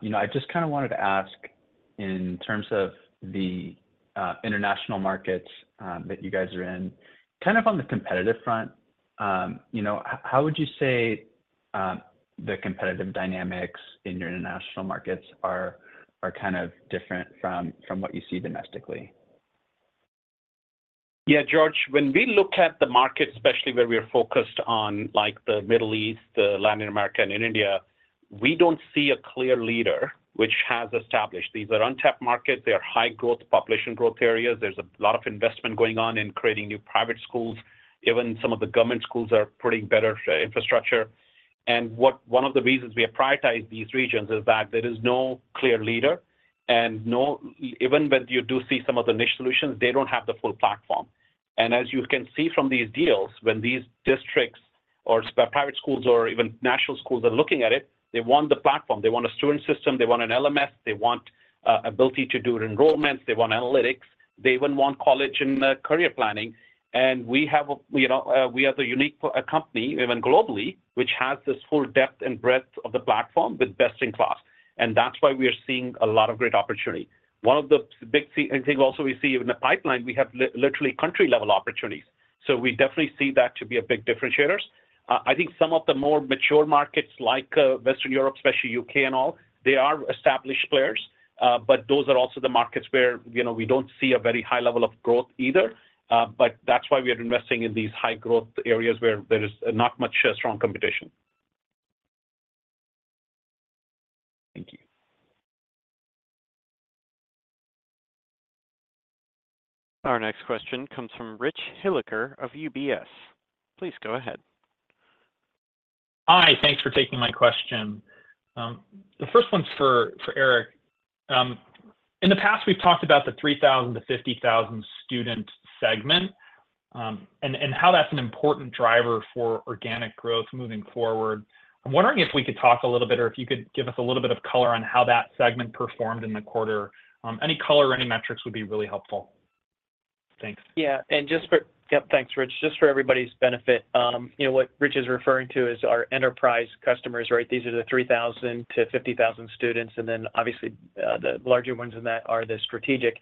You know, I just kind of wanted to ask, in terms of the international markets that you guys are in, kind of on the competitive front, you know, how would you say the competitive dynamics in your international markets are kind of different from what you see domestically? Yeah, George, when we look at the market, especially where we are focused on, like the Middle East, the Latin America, and in India, we don't see a clear leader which has established. These are untapped markets. They are high growth, population growth areas. There's a lot of investment going on in creating new private schools. Even some of the government schools are putting better infrastructure. And one of the reasons we have prioritized these regions is that there is no clear leader, and no, even when you do see some of the niche solutions, they don't have the full platform. And as you can see from these deals, when these districts or private schools or even national schools are looking at it, they want the platform. They want a student system, they want an LMS, they want ability to do enrollments, they want analytics, they even want college and career planning. And we have we, you know, we are the unique company, even globally, which has this full depth and breadth of the platform with best-in-class, and that's why we are seeing a lot of great opportunity. One of the big thing, I think also we see in the pipeline, we have literally country-level opportunities. So we definitely see that to be a big differentiators. I think some of the more mature markets like Western Europe, especially U.K. and all, they are established players, but those are also the markets where, you know, we don't see a very high level of growth either. That's why we are investing in these high growth areas where there is not much strong competition. Thank you. Our next question comes from Rich Hilliker of UBS. Please go ahead. Hi, thanks for taking my question. The first one's for, for Eric. In the past, we've talked about the 3,000-50,000 student segment, and, and how that's an important driver for organic growth moving forward. I'm wondering if we could talk a little bit, or if you could give us a little bit of color on how that segment performed in the quarter. Any color or any metrics would be really helpful. Thanks. Yeah. Yep, thanks, Rich. Just for everybody's benefit, you know, what Rich is referring to is our enterprise customers, right? These are the 3,000-50,000 students, and then obviously, the larger ones in that are the strategic.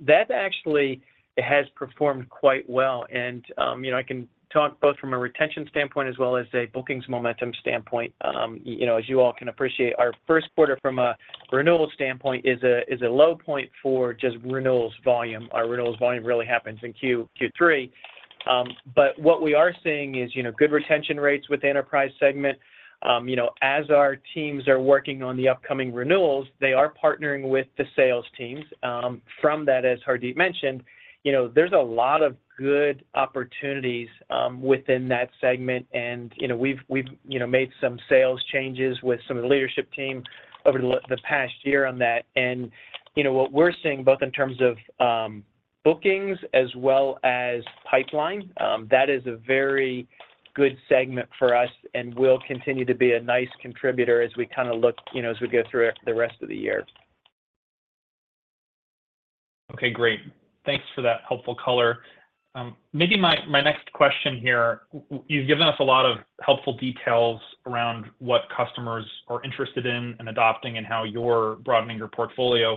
That actually has performed quite well. And, you know, I can talk both from a retention standpoint as well as a bookings momentum standpoint. You know, as you all can appreciate, our first quarter from a renewal standpoint is a low point for just renewals volume. Our renewals volume really happens in Q3. But what we are seeing is, you know, good retention rates with the enterprise segment. You know, as our teams are working on the upcoming renewals, they are partnering with the sales teams. From that, as Hardeep mentioned, you know, there's a lot of good opportunities within that segment, and, you know, we've made some sales changes with some of the leadership team over the past year on that. You know, what we're seeing both in terms of bookings as well as pipeline, that is a very good segment for us and will continue to be a nice contributor as we kind of look, you know, as we go through the rest of the year. Okay, great. Thanks for that helpful color. Maybe my next question here, you've given us a lot of helpful details around what customers are interested in and adopting and how you're broadening your portfolio.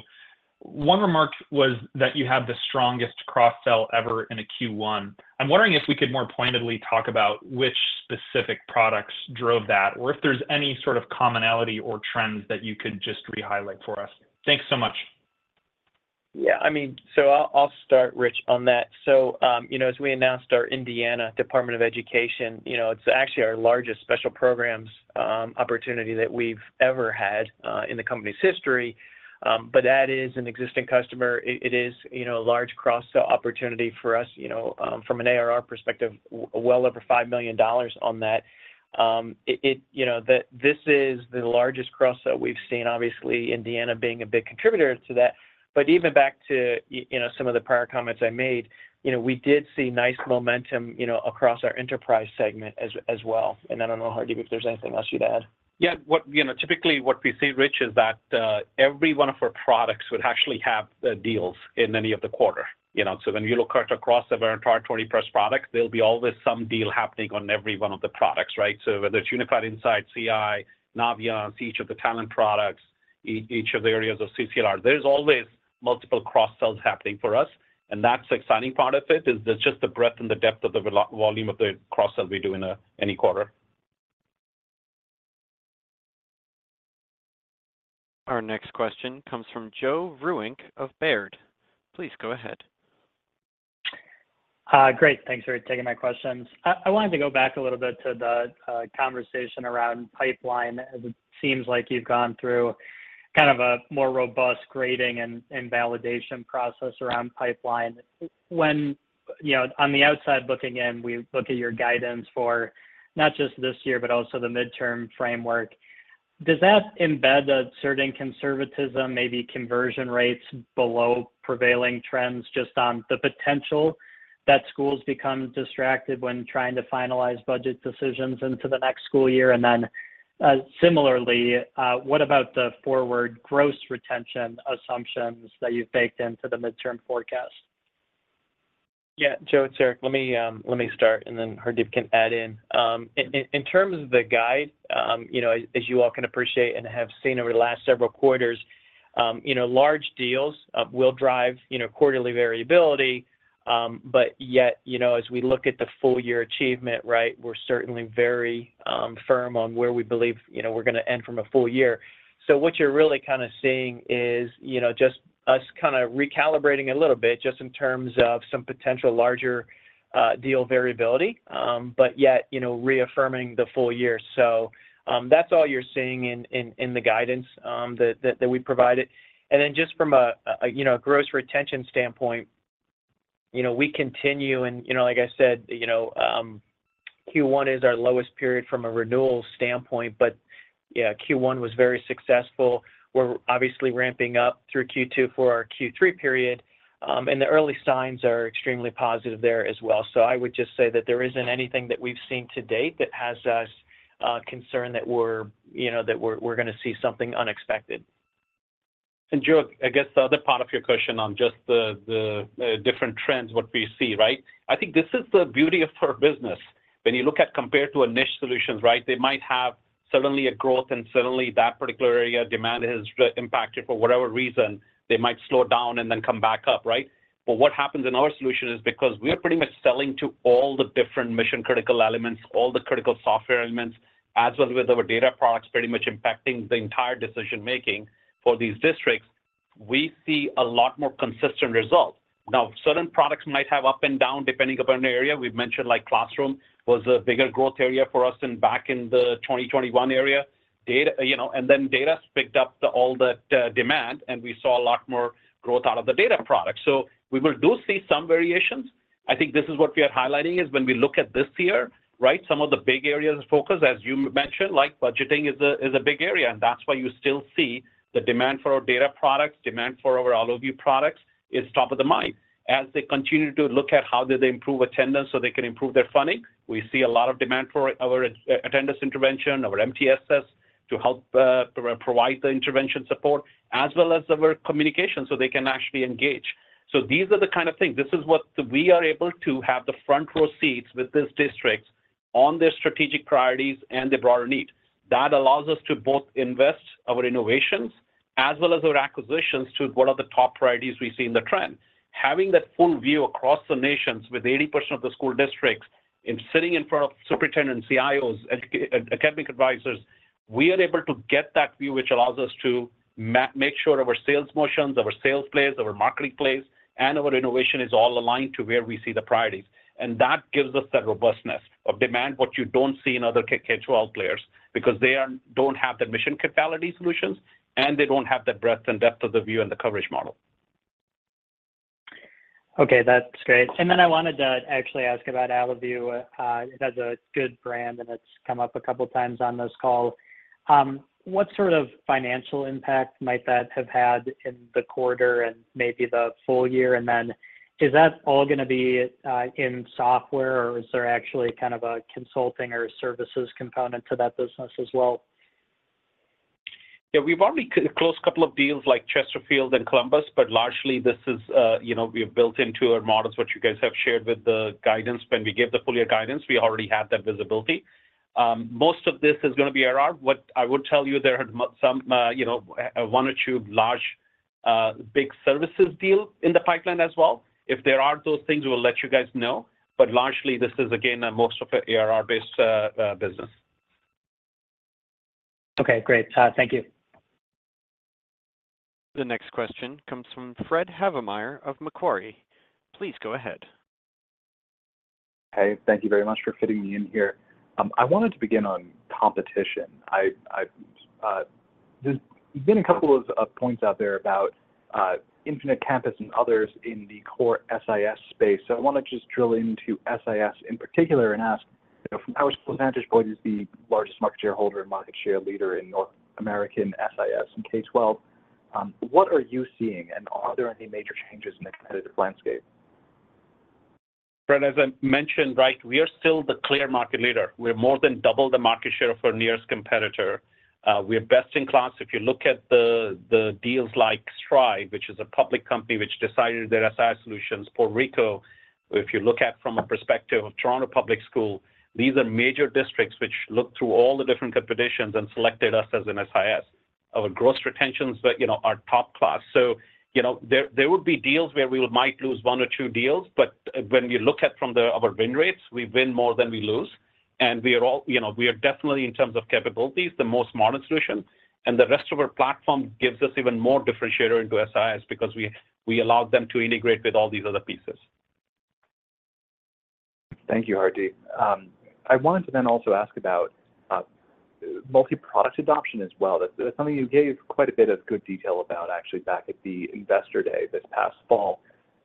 One remark was that you have the strongest cross-sell ever in a Q1. I'm wondering if we could more pointedly talk about which specific products drove that, or if there's any sort of commonality or trends that you could just re-highlight for us. Thanks so much. Yeah, I mean, so I'll, I'll start, Rich, on that. So, you know, as we announced our Indiana Department of Education, you know, it's actually our largest special programs opportunity that we've ever had in the company's history. But that is an existing customer. It is, you know, a large cross-sell opportunity for us, you know, from an ARR perspective, well over $5 million on that. It you know this is the largest cross-sell we've seen, obviously, Indiana being a big contributor to that. But even back to you know some of the prior comments I made, you know, we did see nice momentum, you know, across our enterprise segment as well. And I don't know, Hardeep, if there's anything else you'd add. Yeah. What, you know, typically, what we see, Rich, is that every one of our products would actually have deals in any of the quarter, you know? So when you look at across our entire 20-plus products, there'll be always some deal happening on every one of the products, right? So whether it's Unified Insights, Connected Intelligence, Naviance, each of the talent products, each of the areas of CCR, there's always multiple cross-sells happening for us, and that's exciting part of it, is the just the breadth and the depth of the volume of the cross-sell we do in any quarter. Our next question comes from Joe Vruwink of Baird. Please go ahead. Great. Thanks for taking my questions. I wanted to go back a little bit to the conversation around pipeline, as it seems like you've gone through kind of a more robust grading and validation process around pipeline. When, you know, on the outside looking in, we look at your guidance for not just this year, but also the midterm framework, does that embed a certain conservatism, maybe conversion rates below prevailing trends, just on the potential that schools become distracted when trying to finalize budget decisions into the next school year? And then, similarly, what about the forward gross retention assumptions that you've baked into the midterm forecast? Yeah. Joe, it's Eric. Let me start, and then Hardeep can add in. In terms of the guidance, you know, as you all can appreciate and have seen over the last several quarters, you know, large deals will drive, you know, quarterly variability, but yet, you know, as we look at the full year achievement, right, we're certainly very firm on where we believe, you know, we're gonna end from a full year. So what you're really kind of seeing is, you know, just us kind of recalibrating a little bit, just in terms of some potential larger deal variability, but yet, you know, reaffirming the full year. So, that's all you're seeing in the guidance that we provided. And then just from a, you know, gross retention standpoint, you know, we continue and, you know, like I said, you know,... Q1 is our lowest period from a renewal standpoint, but yeah, Q1 was very successful. We're obviously ramping up through Q2 for our Q3 period, and the early signs are extremely positive there as well. So I would just say that there isn't anything that we've seen to date that has us concerned that we're, you know, gonna see something unexpected. And Joe, I guess the other part of your question on just the, the, different trends, what we see, right? I think this is the beauty of our business. When you look at compared to a niche solutions, right, they might have suddenly a growth, and suddenly that particular area, demand has reimpacted for whatever reason. They might slow down and then come back up, right? But what happens in our solution is because we are pretty much selling to all the different mission-critical elements, all the critical software elements, as well as with our data products pretty much impacting the entire decision making for these districts, we see a lot more consistent results. Now, certain products might have up and down, depending upon the area. We've mentioned, like, classroom was a bigger growth area for us in, back in the 2021 area. Data, you know, and then data's picked up all the demand, and we saw a lot more growth out of the data product. So we do see some variations. I think this is what we are highlighting, is when we look at this year, right, some of the big areas of focus, as you mentioned, like budgeting is a big area, and that's why you still see the demand for our data products, demand for our overview products, is top of the mind. As they continue to look at how do they improve attendance so they can improve their funding, we see a lot of demand for our attendance intervention, our MTSS, to help provide the intervention support, as well as our communication, so they can actually engage. So these are the kind of things. This is what... We are able to have the front-row seats with these districts on their strategic priorities and the broader needs. That allows us to both invest our innovations as well as our acquisitions to what are the top priorities we see in the trend. Having that full view across the nations with 80% of the school districts and sitting in front of superintendents, CIOs, academic advisors, we are able to get that view, which allows us to make sure our sales motions, our sales plays, our marketing plays, and our innovation is all aligned to where we see the priorities. That gives us that robustness of demand, what you don't see in other K-12 players, because they don't have the mission capability solutions, and they don't have the breadth and depth of the view and the coverage model. Okay, that's great. And then I wanted to actually ask about Allovue. It has a good brand, and it's come up a couple of times on this call. What sort of financial impact might that have had in the quarter and maybe the full year? And then is that all gonna be in software, or is there actually kind of a consulting or services component to that business as well? Yeah, we've already closed a couple of deals like Chesterfield and Columbus, but largely this is, you know, we have built into our models, which you guys have shared with the guidance. When we gave the full year guidance, we already had that visibility. Most of this is gonna be ARR. What I would tell you, there are some, you know, one or two large, big services deal in the pipeline as well. If there are those things, we'll let you guys know. But largely, this is, again, a most of it ARR-based, business. Okay, great. Thank you. The next question comes from Fred Havemeyer of Macquarie. Please go ahead. Hey, thank you very much for fitting me in here. I wanted to begin on competition. I've, there's been a couple of points out there about Infinite Campus and others in the core SIS space. So I wanna just drill into SIS in particular and ask, you know, from our vantage point as the largest market share holder and market share leader in North American SIS and K-12, what are you seeing, and are there any major changes in the competitive landscape? Fred, as I mentioned, right, we are still the clear market leader. We're more than double the market share of our nearest competitor. We are best in class. If you look at the deals like Stride, which is a public company which decided their SIS solutions, Puerto Rico, if you look at from a perspective of Toronto Public School, these are major districts which looked through all the different competitions and selected us as an SIS. Our gross retentions but, you know, are top class. So, you know, there would be deals where we might lose one or two deals, but when you look at from the our win rates, we win more than we lose, and you know, we are definitely, in terms of capabilities, the most modern solution, and the rest of our platform gives us even more differentiator into SIS because we allow them to integrate with all these other pieces. Thank you, Hardeep. I wanted to then also ask about multi-product adoption as well. That's something you gave quite a bit of good detail about actually back at the Investor Day this past fall.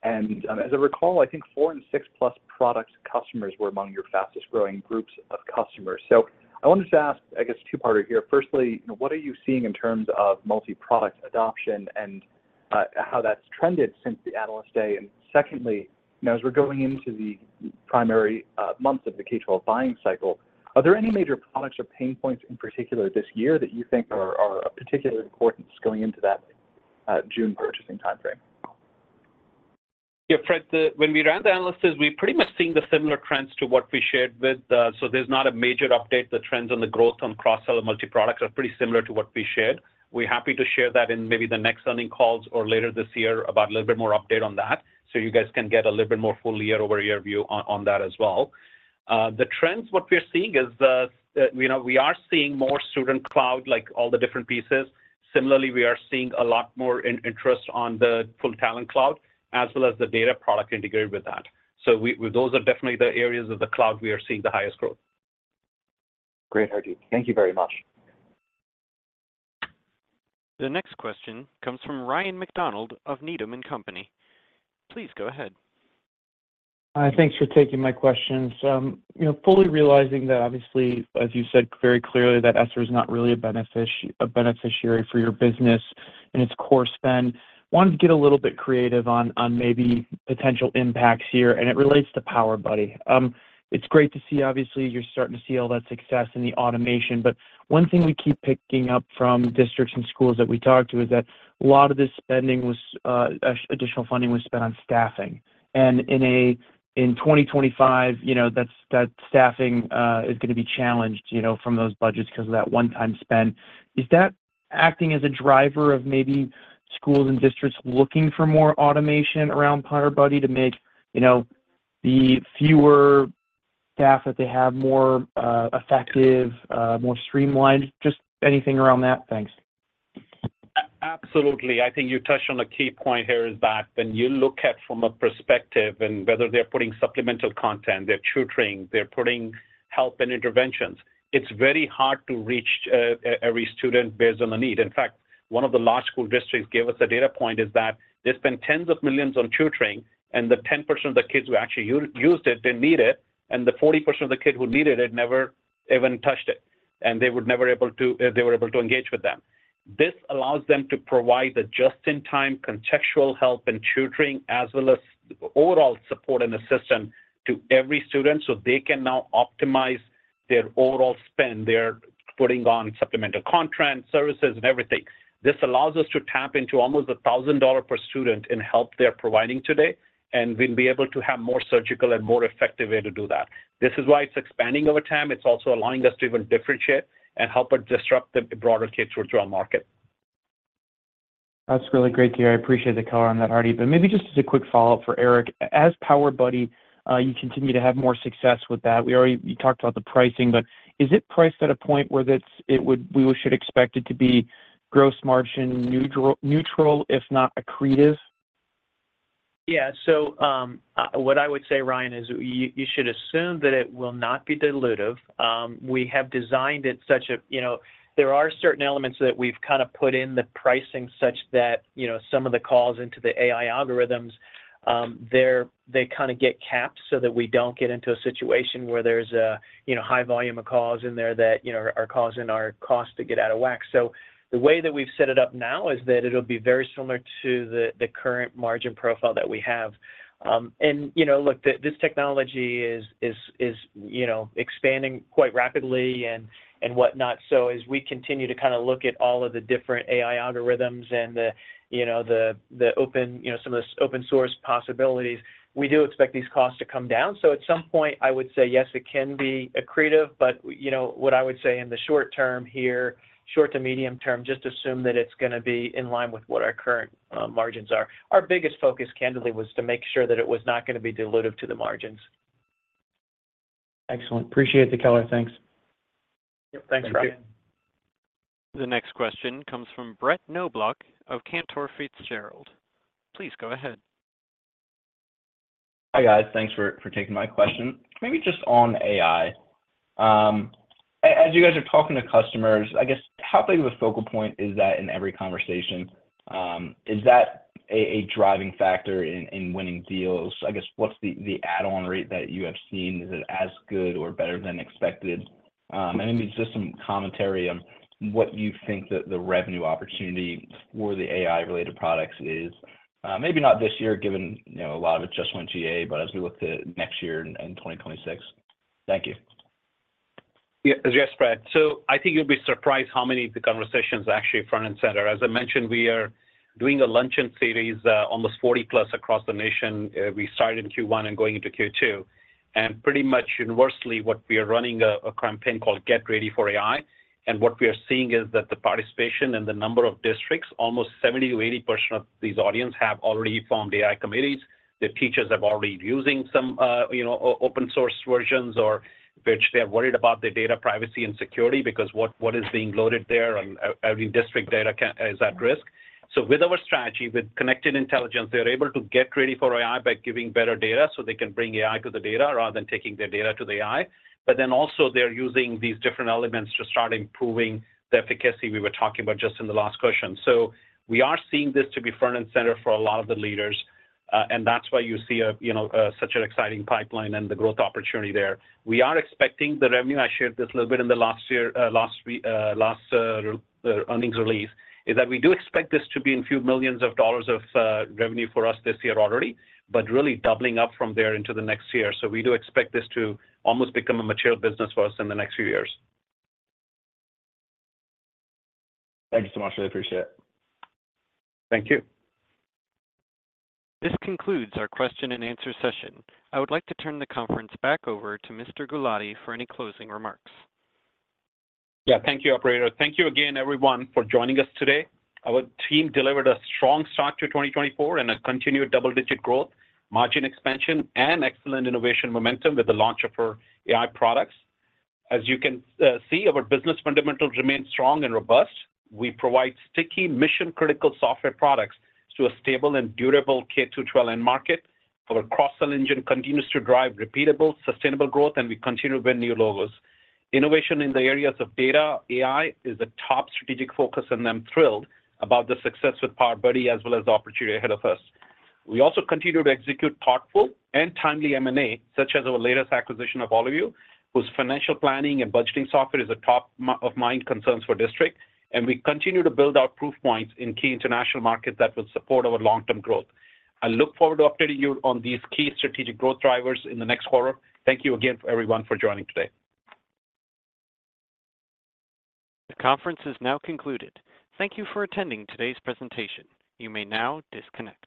And, as I recall, I think 4 and 6-plus product customers were among your fastest growing groups of customers. So I wanted to ask, I guess, two-parter here. Firstly, what are you seeing in terms of multi-product adoption and how that's trended since the Analyst Day? And secondly, as we're going into the primary months of the K-12 buying cycle, are there any major products or pain points in particular this year that you think are of particular importance going into that June purchasing timeframe? Yeah, Fred, the when we ran the analysis, we pretty much seen the similar trends to what we shared with. So there's not a major update. The trends on the growth on cross-sell and multi-products are pretty similar to what we shared. We're happy to share that in maybe the next earnings calls or later this year about a little bit more update on that, so you guys can get a little bit more full year-over-year view on, on that as well. The trends, what we are seeing is the, we know we are seeing more Student Cloud, like all the different pieces. Similarly, we are seeing a lot more in interest on the full Talent Cloud, as well as the data product integrated with that. So we, those are definitely the areas of the cloud we are seeing the highest growth. Great, Hardeep. Thank you very much.... The next question comes from Ryan McDonald of Needham and Company. Please go ahead. Hi, thanks for taking my questions. You know, fully realizing that obviously, as you said very clearly, that ESSER is not really a beneficiary for your business and its core spend, wanted to get a little bit creative on maybe potential impacts here, and it relates to PowerBuddy. It's great to see, obviously, you're starting to see all that success in the automation, but one thing we keep picking up from districts and schools that we talk to is that a lot of this spending was additional funding was spent on staffing. And in 2025, you know, that's that staffing is gonna be challenged, you know, from those budgets because of that one-time spend. Is that acting as a driver of maybe schools and districts looking for more automation around PowerBuddy to make, you know, the fewer staff that they have more effective, more streamlined? Just anything around that. Thanks. Absolutely. I think you touched on a key point here is that when you look at from a perspective and whether they're putting supplemental content, they're tutoring, they're putting help and interventions, it's very hard to reach every student based on the need. In fact, one of the large school districts gave us a data point is that they spend $10s of millions on tutoring, and the 10% of the kids who actually used it, they need it, and the 40% of the kids who need it had never even touched it, and they would never able to they were able to engage with them. This allows them to provide the just-in-time contextual help and tutoring, as well as overall support and assistance to every student so they can now optimize their overall spend. They're putting on supplemental content, services, and everything. This allows us to tap into almost $1,000 per student in help they're providing today, and we'll be able to have more surgical and more effective way to do that. This is why it's expanding over time. It's also allowing us to even differentiate and help but disrupt the broader K-12 market. That's really great to hear. I appreciate the color on that, Hardy. But maybe just as a quick follow-up for Eric, as PowerBuddy you continue to have more success with that. We already, you talked about the pricing, but is it priced at a point where we should expect it to be gross margin neutral, if not accretive? Yeah. So, what I would say, Ryan, is you should assume that it will not be dilutive. We have designed it, you know, there are certain elements that we've kinda put in the pricing such that, you know, some of the calls into the AI algorithms, they kinda get capped so that we don't get into a situation where there's a, you know, high volume of calls in there that, you know, are causing our cost to get out of whack. So the way that we've set it up now is that it'll be very similar to the current margin profile that we have. And, you know, look, this technology is expanding quite rapidly and whatnot. So as we continue to kinda look at all of the different AI algorithms and the, you know, the open, you know, some of the open source possibilities, we do expect these costs to come down. So at some point, I would say, yes, it can be accretive, but, you know, what I would say in the short term here, short to medium term, just assume that it's gonna be in line with what our current margins are. Our biggest focus, candidly, was to make sure that it was not gonna be dilutive to the margins. Excellent. Appreciate the color. Thanks. Yep. Thanks, Ryan. Thank you. The next question comes from Brett Knoblauch of Cantor Fitzgerald. Please go ahead. Hi, guys. Thanks for taking my question. Maybe just on AI. As you guys are talking to customers, I guess, how big of a focal point is that in every conversation? Is that a driving factor in winning deals? I guess, what's the add-on rate that you have seen? Is it as good or better than expected? And maybe just some commentary on what you think that the revenue opportunity for the AI-related products is, maybe not this year, given, you know, a lot of it just went GA, but as we look to next year and 2026. Thank you. Yeah. Yes, Brett. So I think you'll be surprised how many of the conversations are actually front and center. As I mentioned, we are doing a luncheon series, almost 40-plus across the nation. We started in Q1 and going into Q2. And pretty much universally, what we are running a campaign called Get Ready for AI, and what we are seeing is that the participation and the number of districts, almost 70%-80% of these audience, have already formed AI committees. The teachers have already using some, you know, open source versions or which they are worried about their data privacy and security because what is being loaded there and every district data is at risk. So with our strategy, with Connected Intelligence, they're able to get ready for AI by giving better data so they can bring AI to the data rather than taking their data to the AI. But then also they're using these different elements to start improving the efficacy we were talking about just in the last question. So we are seeing this to be front and center for a lot of the leaders, and that's why you see a, you know, such an exciting pipeline and the growth opportunity there. We are expecting the revenue. I shared this a little bit in the earnings release, is that we do expect this to be a few million dollars of revenue for us this year already, but really doubling up from there into the next year. We do expect this to almost become a mature business for us in the next few years. Thank you so much. I appreciate it. Thank you. This concludes our question and answer session. I would like to turn the conference back over to Mr. Gulati for any closing remarks. Yeah, thank you, operator. Thank you again, everyone, for joining us today. Our team delivered a strong start to 2024 and a continued double-digit growth, margin expansion, and excellent innovation momentum with the launch of our AI products. As you can see, our business fundamentals remain strong and robust. We provide sticky, mission-critical software products to a stable and durable K-12 end market. Our cross-sell engine continues to drive repeatable, sustainable growth, and we continue to win new logos. Innovation in the areas of data, AI, is a top strategic focus, and I'm thrilled about the success with PowerBuddy as well as the opportunity ahead of us. We also continue to execute thoughtful and timely M&A, such as our latest acquisition of Allovue, whose financial planning and budgeting software is a top-of-mind concern for districts, and we continue to build out proof points in key international markets that will support our long-term growth. I look forward to updating you on these key strategic growth drivers in the next quarter. Thank you again, everyone, for joining today. The conference is now concluded. Thank you for attending today's presentation. You may now disconnect.